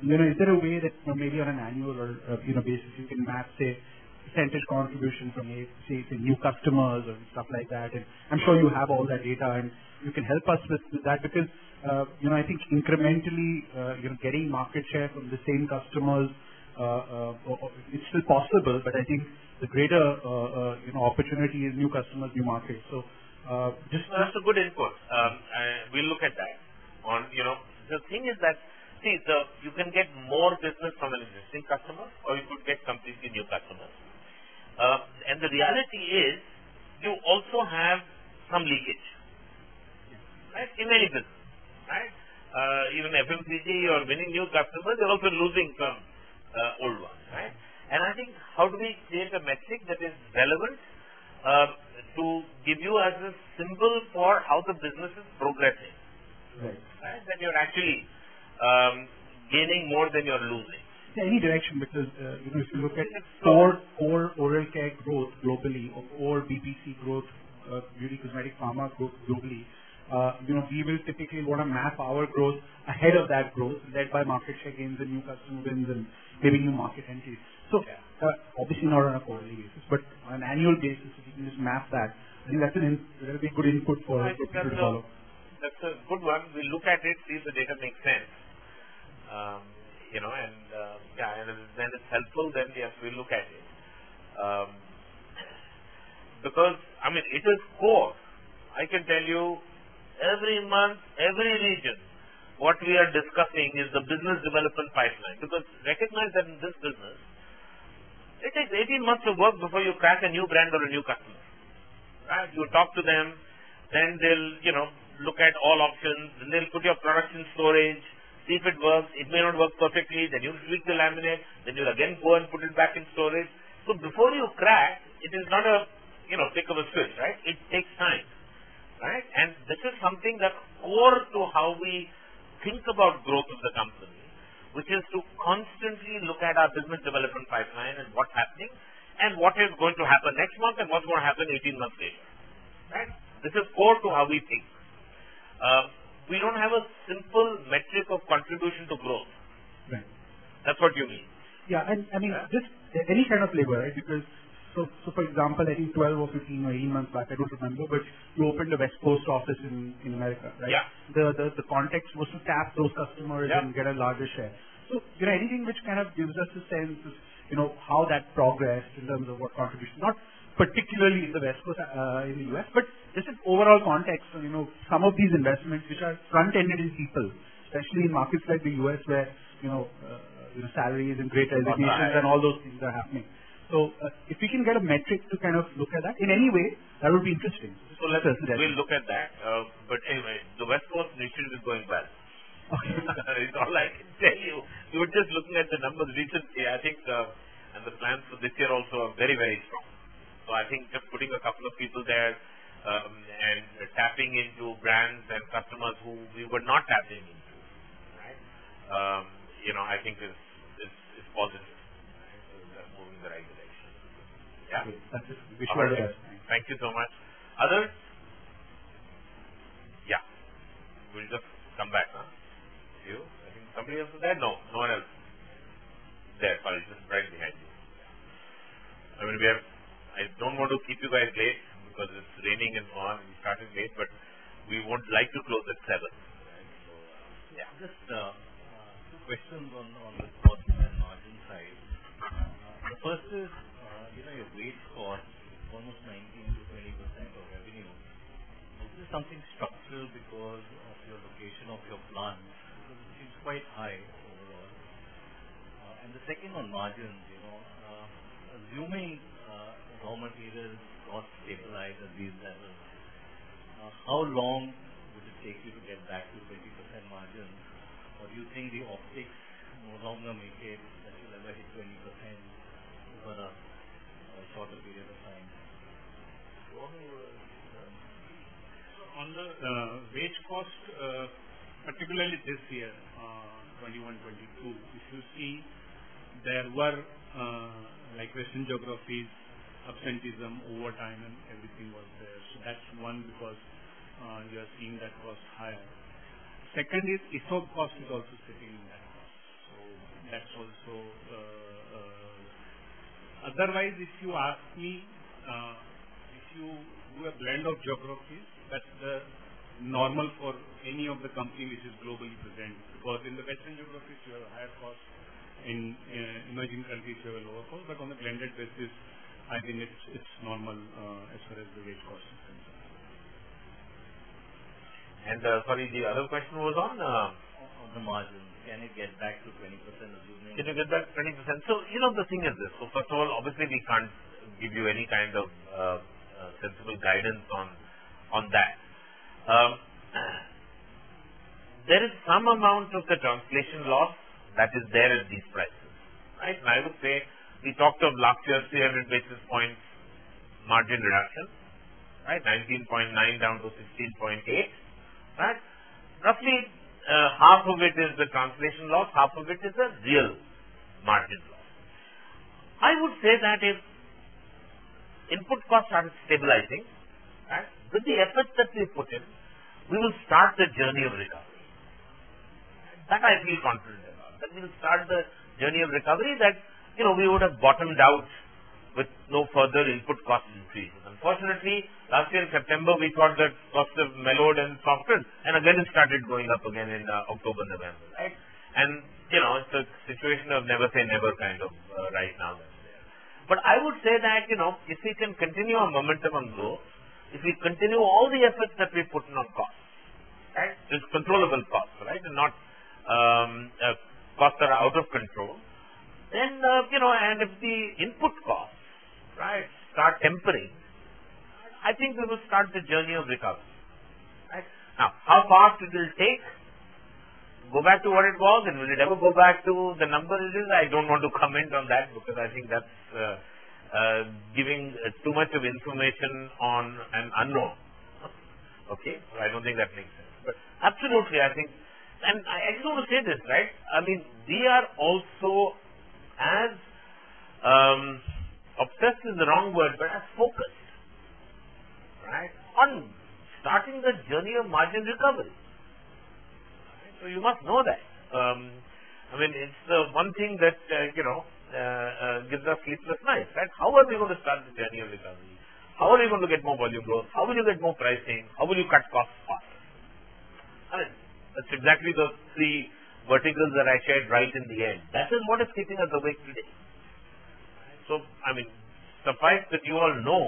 Is there a way that maybe on an annual or, you know, basis you can map, say, percentage contribution from say to new customers or stuff like that? I'm sure you have all that data, and you can help us with that because, you know, I think incrementally, you know, getting market share from the same customers, it's still possible, but I think the greater, you know, opportunity is new customers, new markets. That's a good input. We'll look at that. You know, the thing is that, see, you can get more business from an existing customer or you could get completely new customers. The reality is you also have some leakage. Yes. Right? In any business, right? Even FMCG, you're winning new customers, you're also losing some, old ones, right? I think how do we create a metric that is relevant, to give you as a symbol for how the business is progressing. Right. Right? That you're actually gaining more than you're losing. Any direction, because if you look at core Oral Care growth globally or core BPC growth, Beauty & Cosmetics, Pharma growth globally, you know, we will typically wanna map our growth ahead of that growth led by market share gains and new customer wins and getting new market entries. Yeah. Obviously not on a quarterly basis, but on an annual basis, if you can just map that, I think that'd be good input for us to follow. That's a good one. We'll look at it, see if the data makes sense. You know, and yeah, and when it's helpful, then yes, we'll look at it. Because I mean, it is core. I can tell you every month, every region, what we are discussing is the business development pipeline. Because recognize that in this business it takes 18 months of work before you crack a new brand or a new customer, right? You talk to them, then they'll, you know, look at all options, then they'll put your product in storage, see if it works. It may not work perfectly, then you'll tweak the laminate, then you'll again go and put it back in storage. So before you crack, it is not a, you know, flick of a switch, right? It takes time, right? This is something that's core to how we think about growth in the company, which is to constantly look at our business development pipeline and what's happening and what is going to happen next month and what's gonna happen 18 months later, right? This is core to how we think. We don't have a simple metric of contribution to growth. Right. That's what you mean. Yeah. I mean, just any kind of flavor, right? Because so for example, I think 12 or 15 or 18 months back, I don't remember, but you opened a West Coast office in America, right? Yeah. The context was to tap those customers. Yeah. Get a larger share. You know, anything which kind of gives us a sense of, you know, how that progressed in terms of what contribution. Not particularly in the West Coast, in the U.S., but just in overall context. You know, some of these investments which are front-ended in people, especially in markets like the U.S. where, you know, there's salaries and Great Resignation. Oh, yeah. All those things are happening. If we can get a metric to kind of look at that in any way, that would be interesting. We'll look at that. Anyway, the West Coast initiative is going well. Okay. It's all I can tell you. We were just looking at the numbers recently. I think, and the plans for this year also are very, very strong. I think just putting a couple of people there, and tapping into brands and customers who we were not tapping into, right? You know, I think it's positive. Right? We are moving in the right direction. Yeah. Great. That's it. Wish all the best. Thank you so much. Others? Yeah. We'll just come back to you. I think somebody else was there? No. No one else. There. Sorry, just right behind you. I mean, we have. I don't want to keep you guys late because it's raining and so on, and we started late, but we would like to close at seven, right? Yeah. Just two questions on the cost and margin side. The first is, you know, your wage cost is almost 19%-20% of revenue. Is this something structural because of your location of your plant? Because it seems quite high overall. The second on margins. You know, assuming raw material costs stabilize at these levels, how long would it take you to get back to 20% margins? Or do you think the optics no longer make it that you'll ever hit 20% over a shorter period of time? What was the? On the wage cost, particularly this year, 2021, 2022, if you see, there were like western geographies, absenteeism, overtime, and everything was there. That's one because you are seeing that cost higher. Second is ESOP cost is also sitting in that cost. That's also. Otherwise, if you ask me, if you do a blend of geographies, that's the normal for any of the company which is globally present. Because in the western geographies, you have a higher cost. In emerging countries, you have a lower cost. On a blended basis, I think it's normal as far as the wage cost is concerned. Sorry, the other question was on. On the margin. Can it get back to 20%, do you think? Can it get back to 20%? You know, the thing is this. First of all, obviously we can't give you any kind of sensible guidance on that. There is some amount of the translation loss that is there at these prices, right? I would say we talked of last year 300 basis points margin reduction, right? 19.9% down to 16.8%, right? Roughly, half of it is the translation loss, half of it is the real margin loss. I would say that if input costs are stabilizing, right, with the efforts that we put in, we will start the journey of recovery. That I feel confident about. That we'll start the journey of recovery, that, you know, we would have bottomed out with no further input cost increases. Unfortunately, last year in September, we thought that costs have mellowed and softened, and again it started going up again in October, November, right? You know, it's a situation of never say never kind of right now. I would say that, you know, if we can continue our momentum on growth, if we continue all the efforts that we put in on costs, right? It's controllable costs, right? Not costs that are out of control. If the input costs, right, start tempering, I think we will start the journey of recovery, right? Now, how fast it will take to go back to what it was and will it ever go back to the numbers it is, I don't want to comment on that because I think that's giving too much of information on an unknown. Okay? I don't think that makes sense. Absolutely, I think. I just want to say this, right? I mean, we are also as focused, right, on starting the journey of margin recovery. Right? You must know that. I mean, it's the one thing that you know gives us sleepless nights, right? How are we gonna start the journey of recovery? How are we going to get more volume growth? How will you get more pricing? How will you cut costs fast? Right? That's exactly the three verticals that I shared right in the end. That is what is keeping us awake today. Right? I mean, suffice that you all know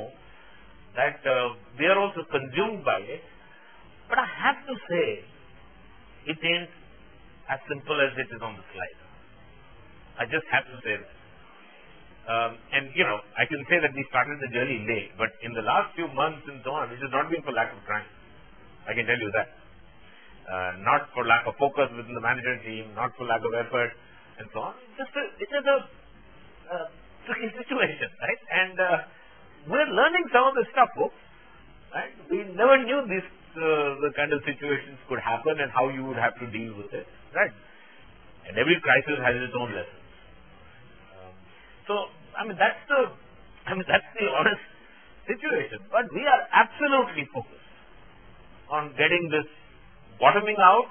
that, we are also consumed by it. But I have to say it isn't as simple as it is on the slide. I just have to say this. You know, I can say that we started the journey late, but in the last few months and so on, it has not been for lack of trying, I can tell you that. Not for lack of focus within the management team, not for lack of effort and so on. It's just a tricky situation, right? We're learning some of this stuff also. Right? We never knew this kind of situations could happen and how you would have to deal with it, right? Every crisis has its own lessons. I mean, that's the honest situation. We are absolutely focused on getting this bottoming out,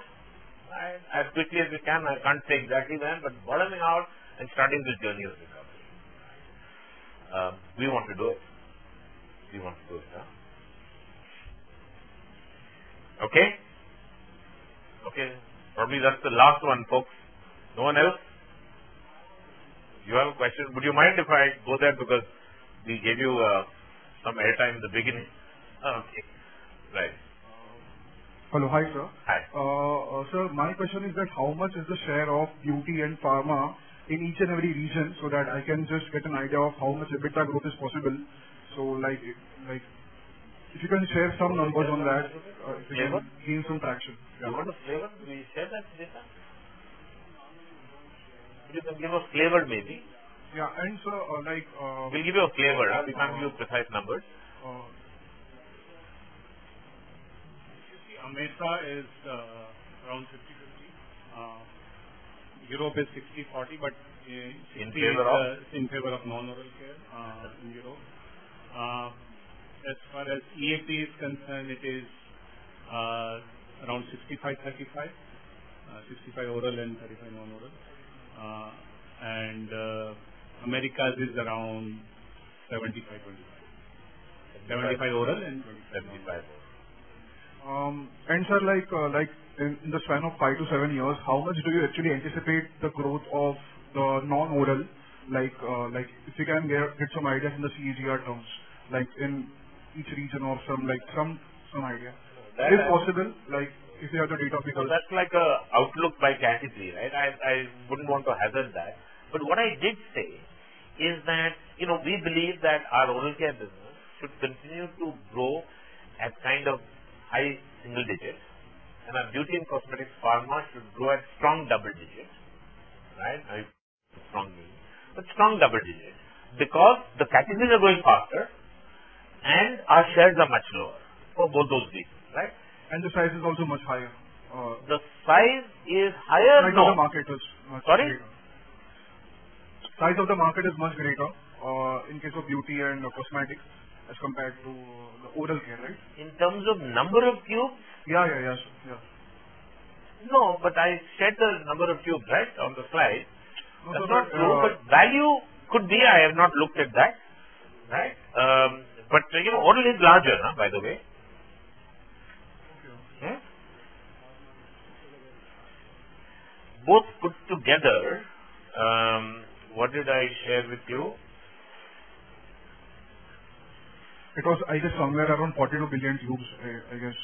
right, as quickly as we can. I can't say exactly when, but bottoming out and starting the journey of recovery. We want to do it now. Okay. Okay. Probably that's the last one, folks. No one else? You have a question. Would you mind if I go there because we gave you some airtime in the beginning? Okay. Right. Hello. Hi, sir. Hi. Sir, my question is that how much is the share of Beauty and Pharma in each and every region so that I can just get an idea of how much EBITDA growth is possible. Like if you can share some numbers on that. Yeah. It will give some traction. Yeah. Do you want us to share? Do we share that data? We can give a flavor maybe. Yeah. Sir, like. We'll give you a flavor, we can't give precise numbers. If you see America is around 50/50. Europe is 60/40. In favor of? In favor of non-Oral Care in Europe. As far as EAP is concerned, it is around 65/35. 65 oral and 35 non-oral. Americas is around 75/25. 75 oral and 25 non-oral. 75 oral. Sir, like in the span of five to seven years, how much do you actually anticipate the growth of the non-oral? Like, if you can get some idea in the CAGR terms, like in each region or some idea. That- Is it possible? Like if you have the data. That's like an outlook by category, right? I wouldn't want to hazard that. What I did say is that, you know, we believe that our Oral Care business should continue to grow at kind of high single digits. Our Beauty & Cosmetics, Pharma should grow at strong double digits, right? strong double digits because the categories are growing faster and our shares are much lower for both those reasons, right? The size is also much higher. The size is higher, no. Size of the market is much greater. Sorry? Size of the market is much greater in case of Beauty & Cosmetics as compared to the Oral Care, right? In terms of number of tubes? Yeah, sure. Yeah. No, I said the number of tubes, right, on the slide. No, no. That's not true. Value could be. I have not looked at that. Right? You know, Oral is larger, by the way. Okay. Mm-hmm. Both put together, what did I share with you? It was either somewhere around 42 billion tubes, I guess.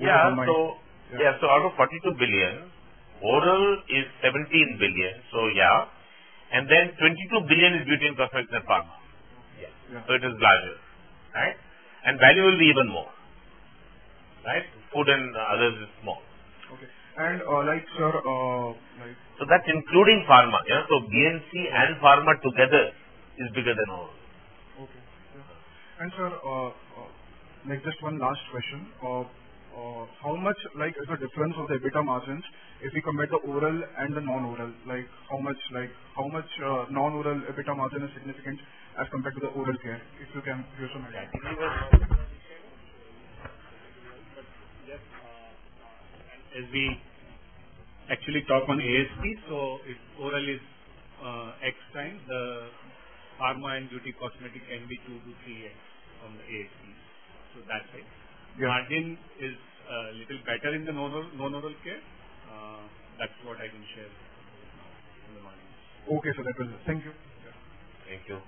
Yeah. Yeah. Yeah. Out of 42 billion, Oral is 17 billion. Yeah. 22 billion is Beauty & Cosmetics and Pharma. Okay. Yeah. It is larger, right? Value will be even more, right? Food and others is small. Okay. Like, sir. That's including Pharma. Yeah. B&C and Pharma together is bigger than Oral. Okay. Yeah. Sir, like just one last question. How much like is the difference of the EBITDA margins if you compare the Oral and the non-Oral? Like how much non-Oral EBITDA margin is significant as compared to the Oral Care, if you can give some idea. As we actually talk on ASPs, if Oral Care is X times, the Pharma and Beauty & Cosmetics can be 2x to 3x on the ASPs. That's it. The margin is little better in the non-Oral Care. That's what I can share right now on the margins. Okay. That was it. Thank you. Yeah. Thank you.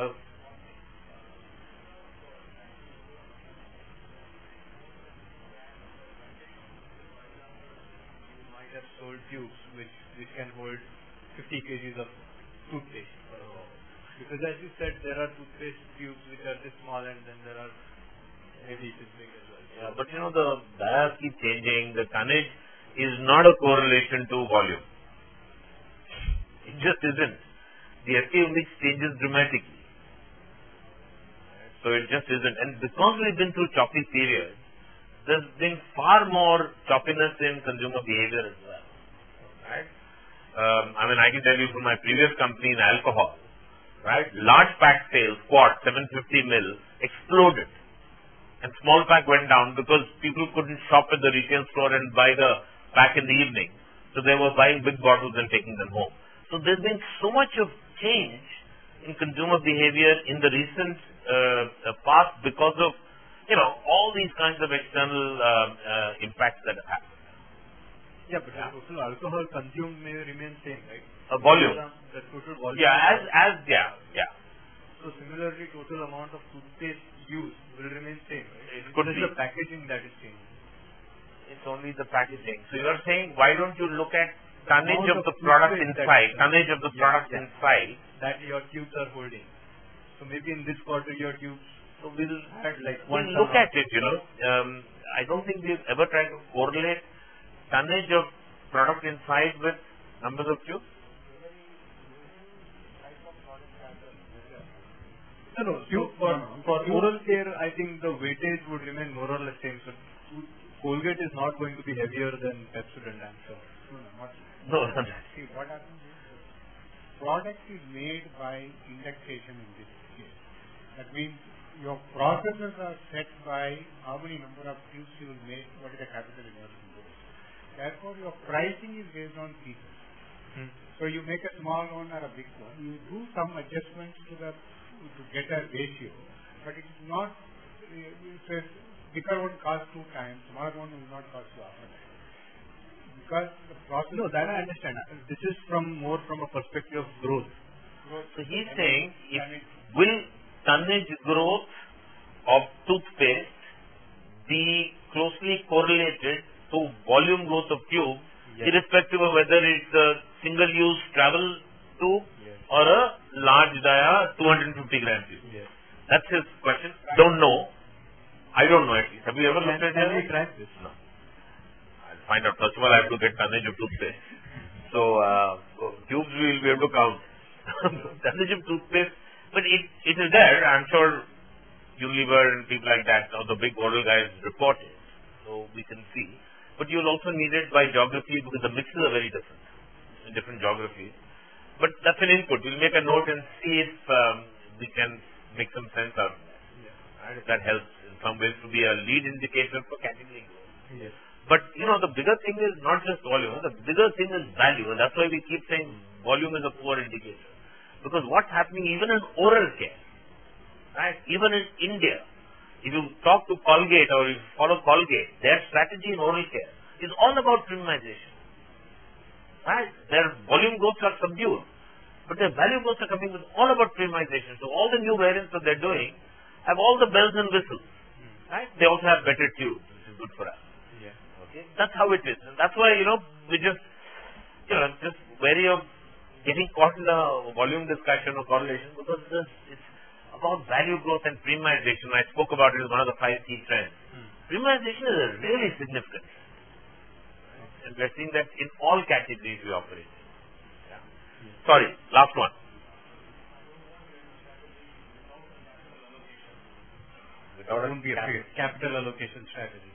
Hello. You might have sold tubes which can hold 50 kg of toothpaste for oral. Because as you said, there are toothpaste tubes which are this small, and then there are maybe something as well. Yeah. You know, the diameters keep changing. The tonnage is not a correlation to volume. It just isn't. Because we've been through choppy periods, there's been far more choppiness in consumer behavior as well. Right? I mean, I can tell you from my previous company in alcohol, right? Large pack sales, quart 750 ml exploded and small pack went down because people couldn't shop at the retail store and buy the pack in the evening. They were buying big bottles and taking them home. There's been so much of change in consumer behavior in the recent past because of, you know, all these kinds of external impacts that happen. Yeah. Yeah. The total alcohol consumed may remain same, right? The volume. The total volume. Yeah. Yeah. Yeah. Similarly, total amount of toothpaste used will remain same, right? Could be. It's only the packaging that is changing. It's only the packaging. You're saying why don't you look at tonnage of the product inside. Yes. Tonnage of the product inside. That your tubes are holding. Maybe in this quarter your tubes will have like. Well, look at it, you know. I don't think we've ever tried to correlate tonnage of product inside with number of tubes. No. For Oral Care, I think the weightage would remain more or less same. Colgate is not going to be heavier than Pepsodent, I'm sure. No, not sure. No. See, what happens is product is made by injection in this case. That means your processes are set by how many number of tubes you will make, what is the capital investment there. Therefore, your pricing is based on pieces. Mm-hmm. You make a small one or a big one, you do some adjustment to get a ratio. It is not, you said bigger one costs two times, small one will not cost you half a time. No, that I understand. This is more from a perspective of growth. Growth. He's saying if. Yeah, I mean. Will tonnage growth of toothpaste be closely correlated to volume growth of tube? Yes. Irrespective of whether it's a single-use travel tube. Yes. a large dia 250 g tube. Yes. That's his question. Don't know. I don't know it. Have you ever looked at it? Have we tried this? No. I'll find out. First of all, I have to get tonnage of toothpaste. Tubes we'll be able to count. Tonnage of toothpaste. It is there. I'm sure Unilever and people like that or the big bottle guys report it, so we can see. You'll also need it by geography because the mixes are very different in different geographies. That's an input. We'll make a note and see if we can make some sense out of that. Yeah. I understand. If that helps in some ways to be a lead indicator for category growth. Yes. You know, the bigger thing is not just volume. The bigger thing is value, and that's why we keep saying volume is a poor indicator. Because what's happening even in Oral Care, right? Even in India, if you talk to Colgate or you follow Colgate, their strategy in Oral Care is all about premiumization, right? Their volume growths are subdued, but their value growths are coming with all about premiumization. All the new variants that they're doing have all the bells and whistles. Mm-hmm. Right? They also have better tube. Good for us. Yeah. Okay? That's how it is. That's why, you know, we just, you know, wary of getting caught in the volume discussion or correlation because this is about value growth and premiumization. I spoke about it as one of the five key trends. Mm-hmm. Premiumization is really significant. Okay. We are seeing that in all categories we operate in. Yeah. Sorry, last one. Capital allocation. The daughter will be afraid. Capital allocation strategy.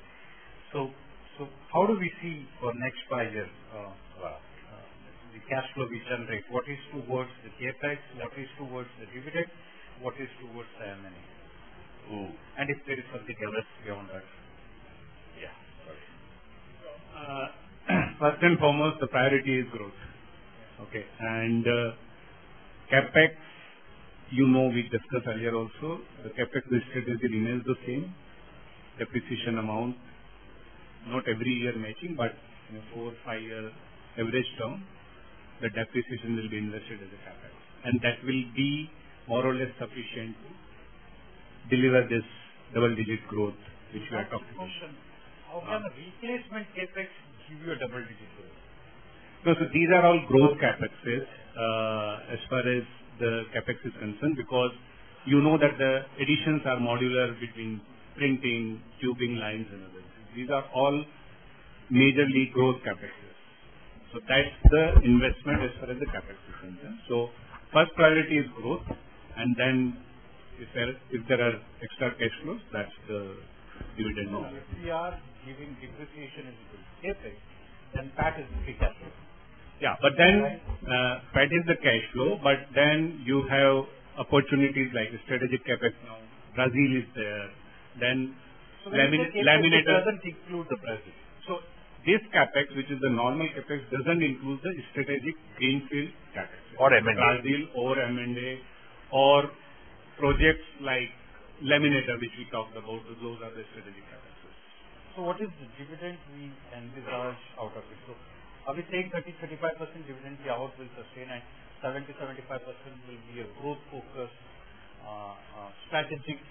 How do we see for next five years, the cash flow we generate, what is towards the CapEx, what is towards the dividend, what is towards the M&A? Ooh. If there is something else beyond that. Yeah. Sorry. First and foremost, the priority is growth. Yeah. Okay? CapEx, you know, we discussed earlier also, the CapEx discipline remains the same. Depreciation amount, not every year matching, but in a four to five year average term, the depreciation will be invested as a CapEx. That will be more or less sufficient to deliver this double-digit growth which we are comfortable. I have a question. Uh. How can a replacement CapEx give you a double-digit growth? No, these are all growth CapExes, as far as the CapEx is concerned, because you know that the additions are modular between printing, tubing lines and other things. These are all majorly growth CapExes. That's the investment as far as the CapEx is concerned. First priority is growth, and then if there are extra cash flows, that's the dividend. If we are giving depreciation into CapEx, then PAT is free cash flow. Yeah. PAT is the cash flow. You have opportunities like strategic CapEx now. Brazil is there. Laminated. This CapEx doesn't include the Brazil. This CapEx, which is the normal CapEx, doesn't include the strategic greenfield CapEx. M&A. Brazil or M&A or projects like laminator, which we talked about. Those are the strategic CapEx. What is the dividend we envisage out of this growth? Are we saying 30%-35% dividend payout will sustain and 70%-75% will be a growth focused, strategic,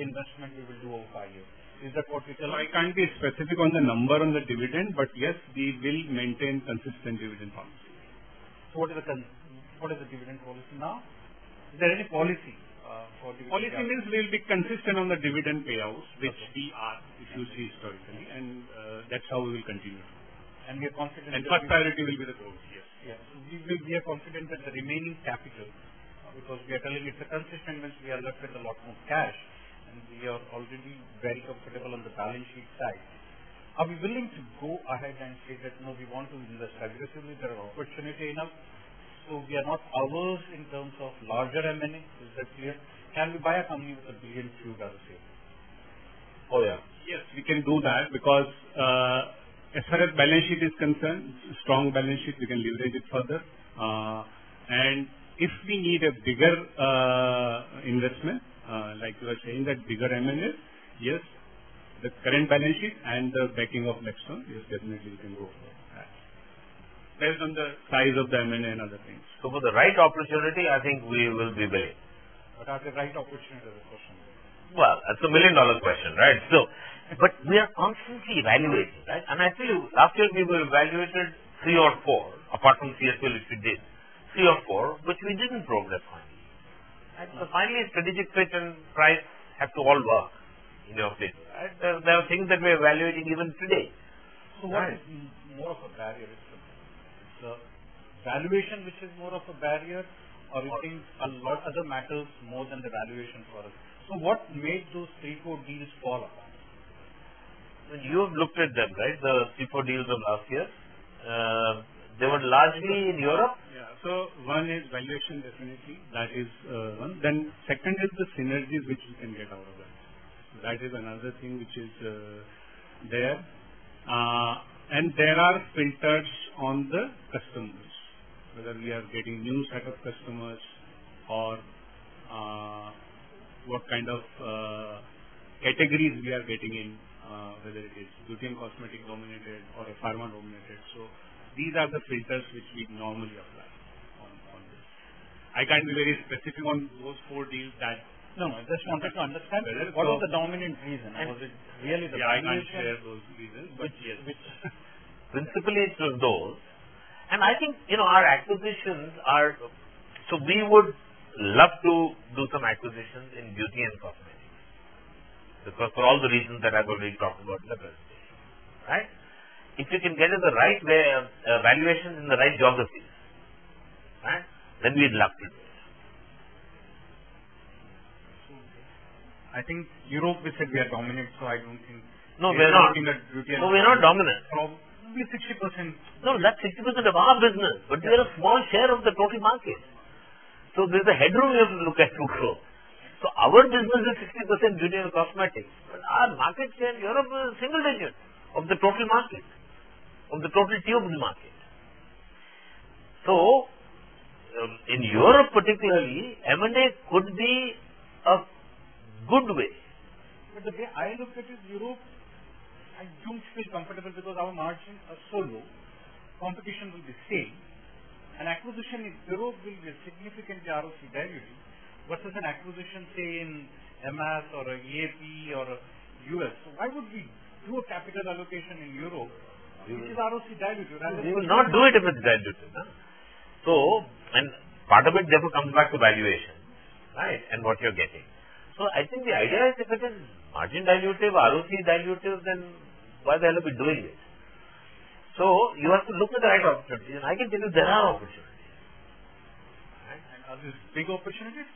investment we will do over five years? Is that what we said? No, I can't be specific on the number on the dividend, but yes, we will maintain consistent dividend policy. What is the dividend policy now? Is there any policy for dividend? Policy means we'll be consistent on the dividend payouts. Okay. Which we are, which is historically, and that's how we will continue. We are confident that. First priority will be the growth. Yes. We are confident that the remaining capital, because if we are consistent, it means we are left with a lot more cash, and we are already very comfortable on the balance sheet side. Are we willing to go ahead and say that, "No, we want to invest aggressively. There are enough opportunities." We are not averse in terms of larger M&A. Is that clear? Can we buy a company with a billion tubes out of sales? Yes, we can do that because, as far as balance sheet is concerned, it's a strong balance sheet. We can leverage it further. If we need a bigger investment, like you are saying that bigger M&As, yes, the current balance sheet and the backing of Blackstone, yes, definitely we can go for that. Right. Based on the size of the M&A and other things. For the right opportunity, I think we will be brave. At the right opportunity is the question. Well, that's a million-dollar question, right? We are constantly evaluating, right? I feel last year we evaluated three or four, apart from CSPL which we did, but we didn't progress on it. Finally strategic fit and price have to all work in your favor, right? There are things that we are evaluating even today. What is more of a barrier? It's a valuation which is more of a barrier or you think- Absolutely. What other matters more than the valuation for us? What made those three, four deals fall apart? You've looked at them, right? The three, four deals of last year. They were largely in Europe. Yeah. One is valuation, definitely. That is, one. Second is the synergies which you can get out of it. That is another thing which is, there. There are filters on the customers. Whether we are getting new set of customers or, what kind of, categories we are getting in, whether it is Beauty & Cosmetics dominated or a Pharma dominated. These are the filters which we normally apply on this. I can't be very specific on those four deals that- No, no. I just wanted to understand. Whether it was. What was the dominant reason? Or was it really the valuation? Yeah, I can't share those reasons, but yes. Principally it was those. I think, you know, our acquisitions are. We would love to do some acquisitions in Beauty & Cosmetics. Because for all the reasons that I've already talked about in the presentation, right? If we can get the right valuation in the right geographies, right? We'd love to do it. I think Europe we said we are dominant, so I don't think. No, we are not. We are looking at Beauty & Cosmetics. No, we're not dominant. Probably 60%. No, that's 60% of our business. Yeah. We are a small share of the total market. There's a headroom we have to look at to grow. Our business is 60% Beauty & Cosmetics, but our market share in Europe is single digit of the total market, of the total tubed market. In Europe particularly, M&A could be a good way. The way I look at it, Europe, I don't feel comfortable because our margins are so low. Competition will be the same. An acquisition in Europe will be a significantly ROCE dilutive versus an acquisition, say, in AMESA or EAP or U.S. Why would we do a capital allocation in Europe? Yeah. Which is ROCE dilutive? I'm just- We will not do it if it's dilutive, no. Part of it therefore comes back to valuation, right? What you're getting. I think the idea is if it is margin dilutive, ROCE dilutive, then why the hell are we doing it? You have to look at the right opportunities. I can tell you there are opportunities. Right. Are these big opportunities?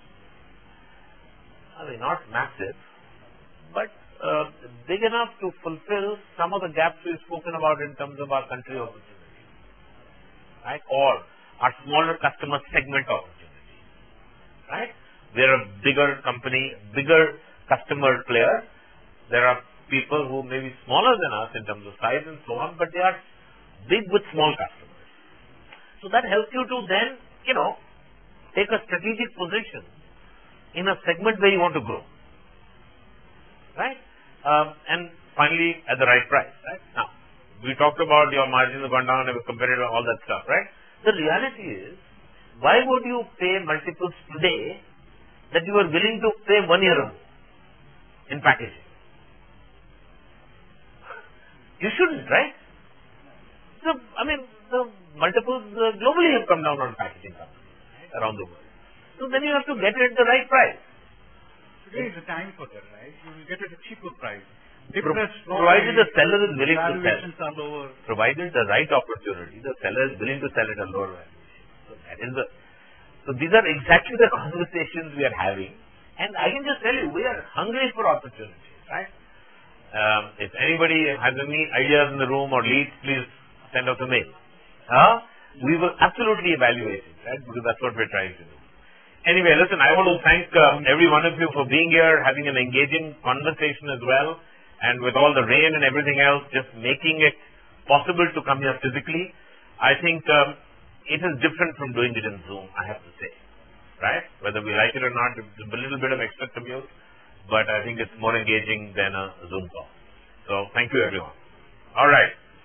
I mean, not massive, but big enough to fulfill some of the gaps we've spoken about in terms of our country opportunity. Right. Our smaller customer segment opportunity. Right? We're a bigger company, bigger customer player. There are people who may be smaller than us in terms of size and so on, but they are big with small customers. That helps you to then, you know, take a strategic position in a segment where you want to grow. Right? And finally, at the right price. Right? Now, we talked about your margins will go down and your competitor, all that stuff, right? The reality is, why would you pay multiples today that you were willing to pay one year ago in packaging? You shouldn't, right? Right. I mean, the multiples globally have come down on packaging companies around the world. You have to get it at the right price. Today is the time for that, right? You will get it at cheaper price because. Provided the seller is willing to sell. Valuations are lower. Provided the right opportunity, the seller is willing to sell at a lower valuation. These are exactly the conversations we are having. I can just tell you, we are hungry for opportunities, right? If anybody has any ideas in the room or leads, please send us a mail. We will absolutely evaluate it, right? Because that's what we're trying to do. Anyway, listen, I want to thank every one of you for being here, having an engaging conversation as well, and with all the rain and everything else, just making it possible to come here physically. I think it is different from doing it in Zoom, I have to say, right? Whether we like it or not, it's a little bit of extra commute, but I think it's more engaging than a Zoom call. Thank you, everyone. All right.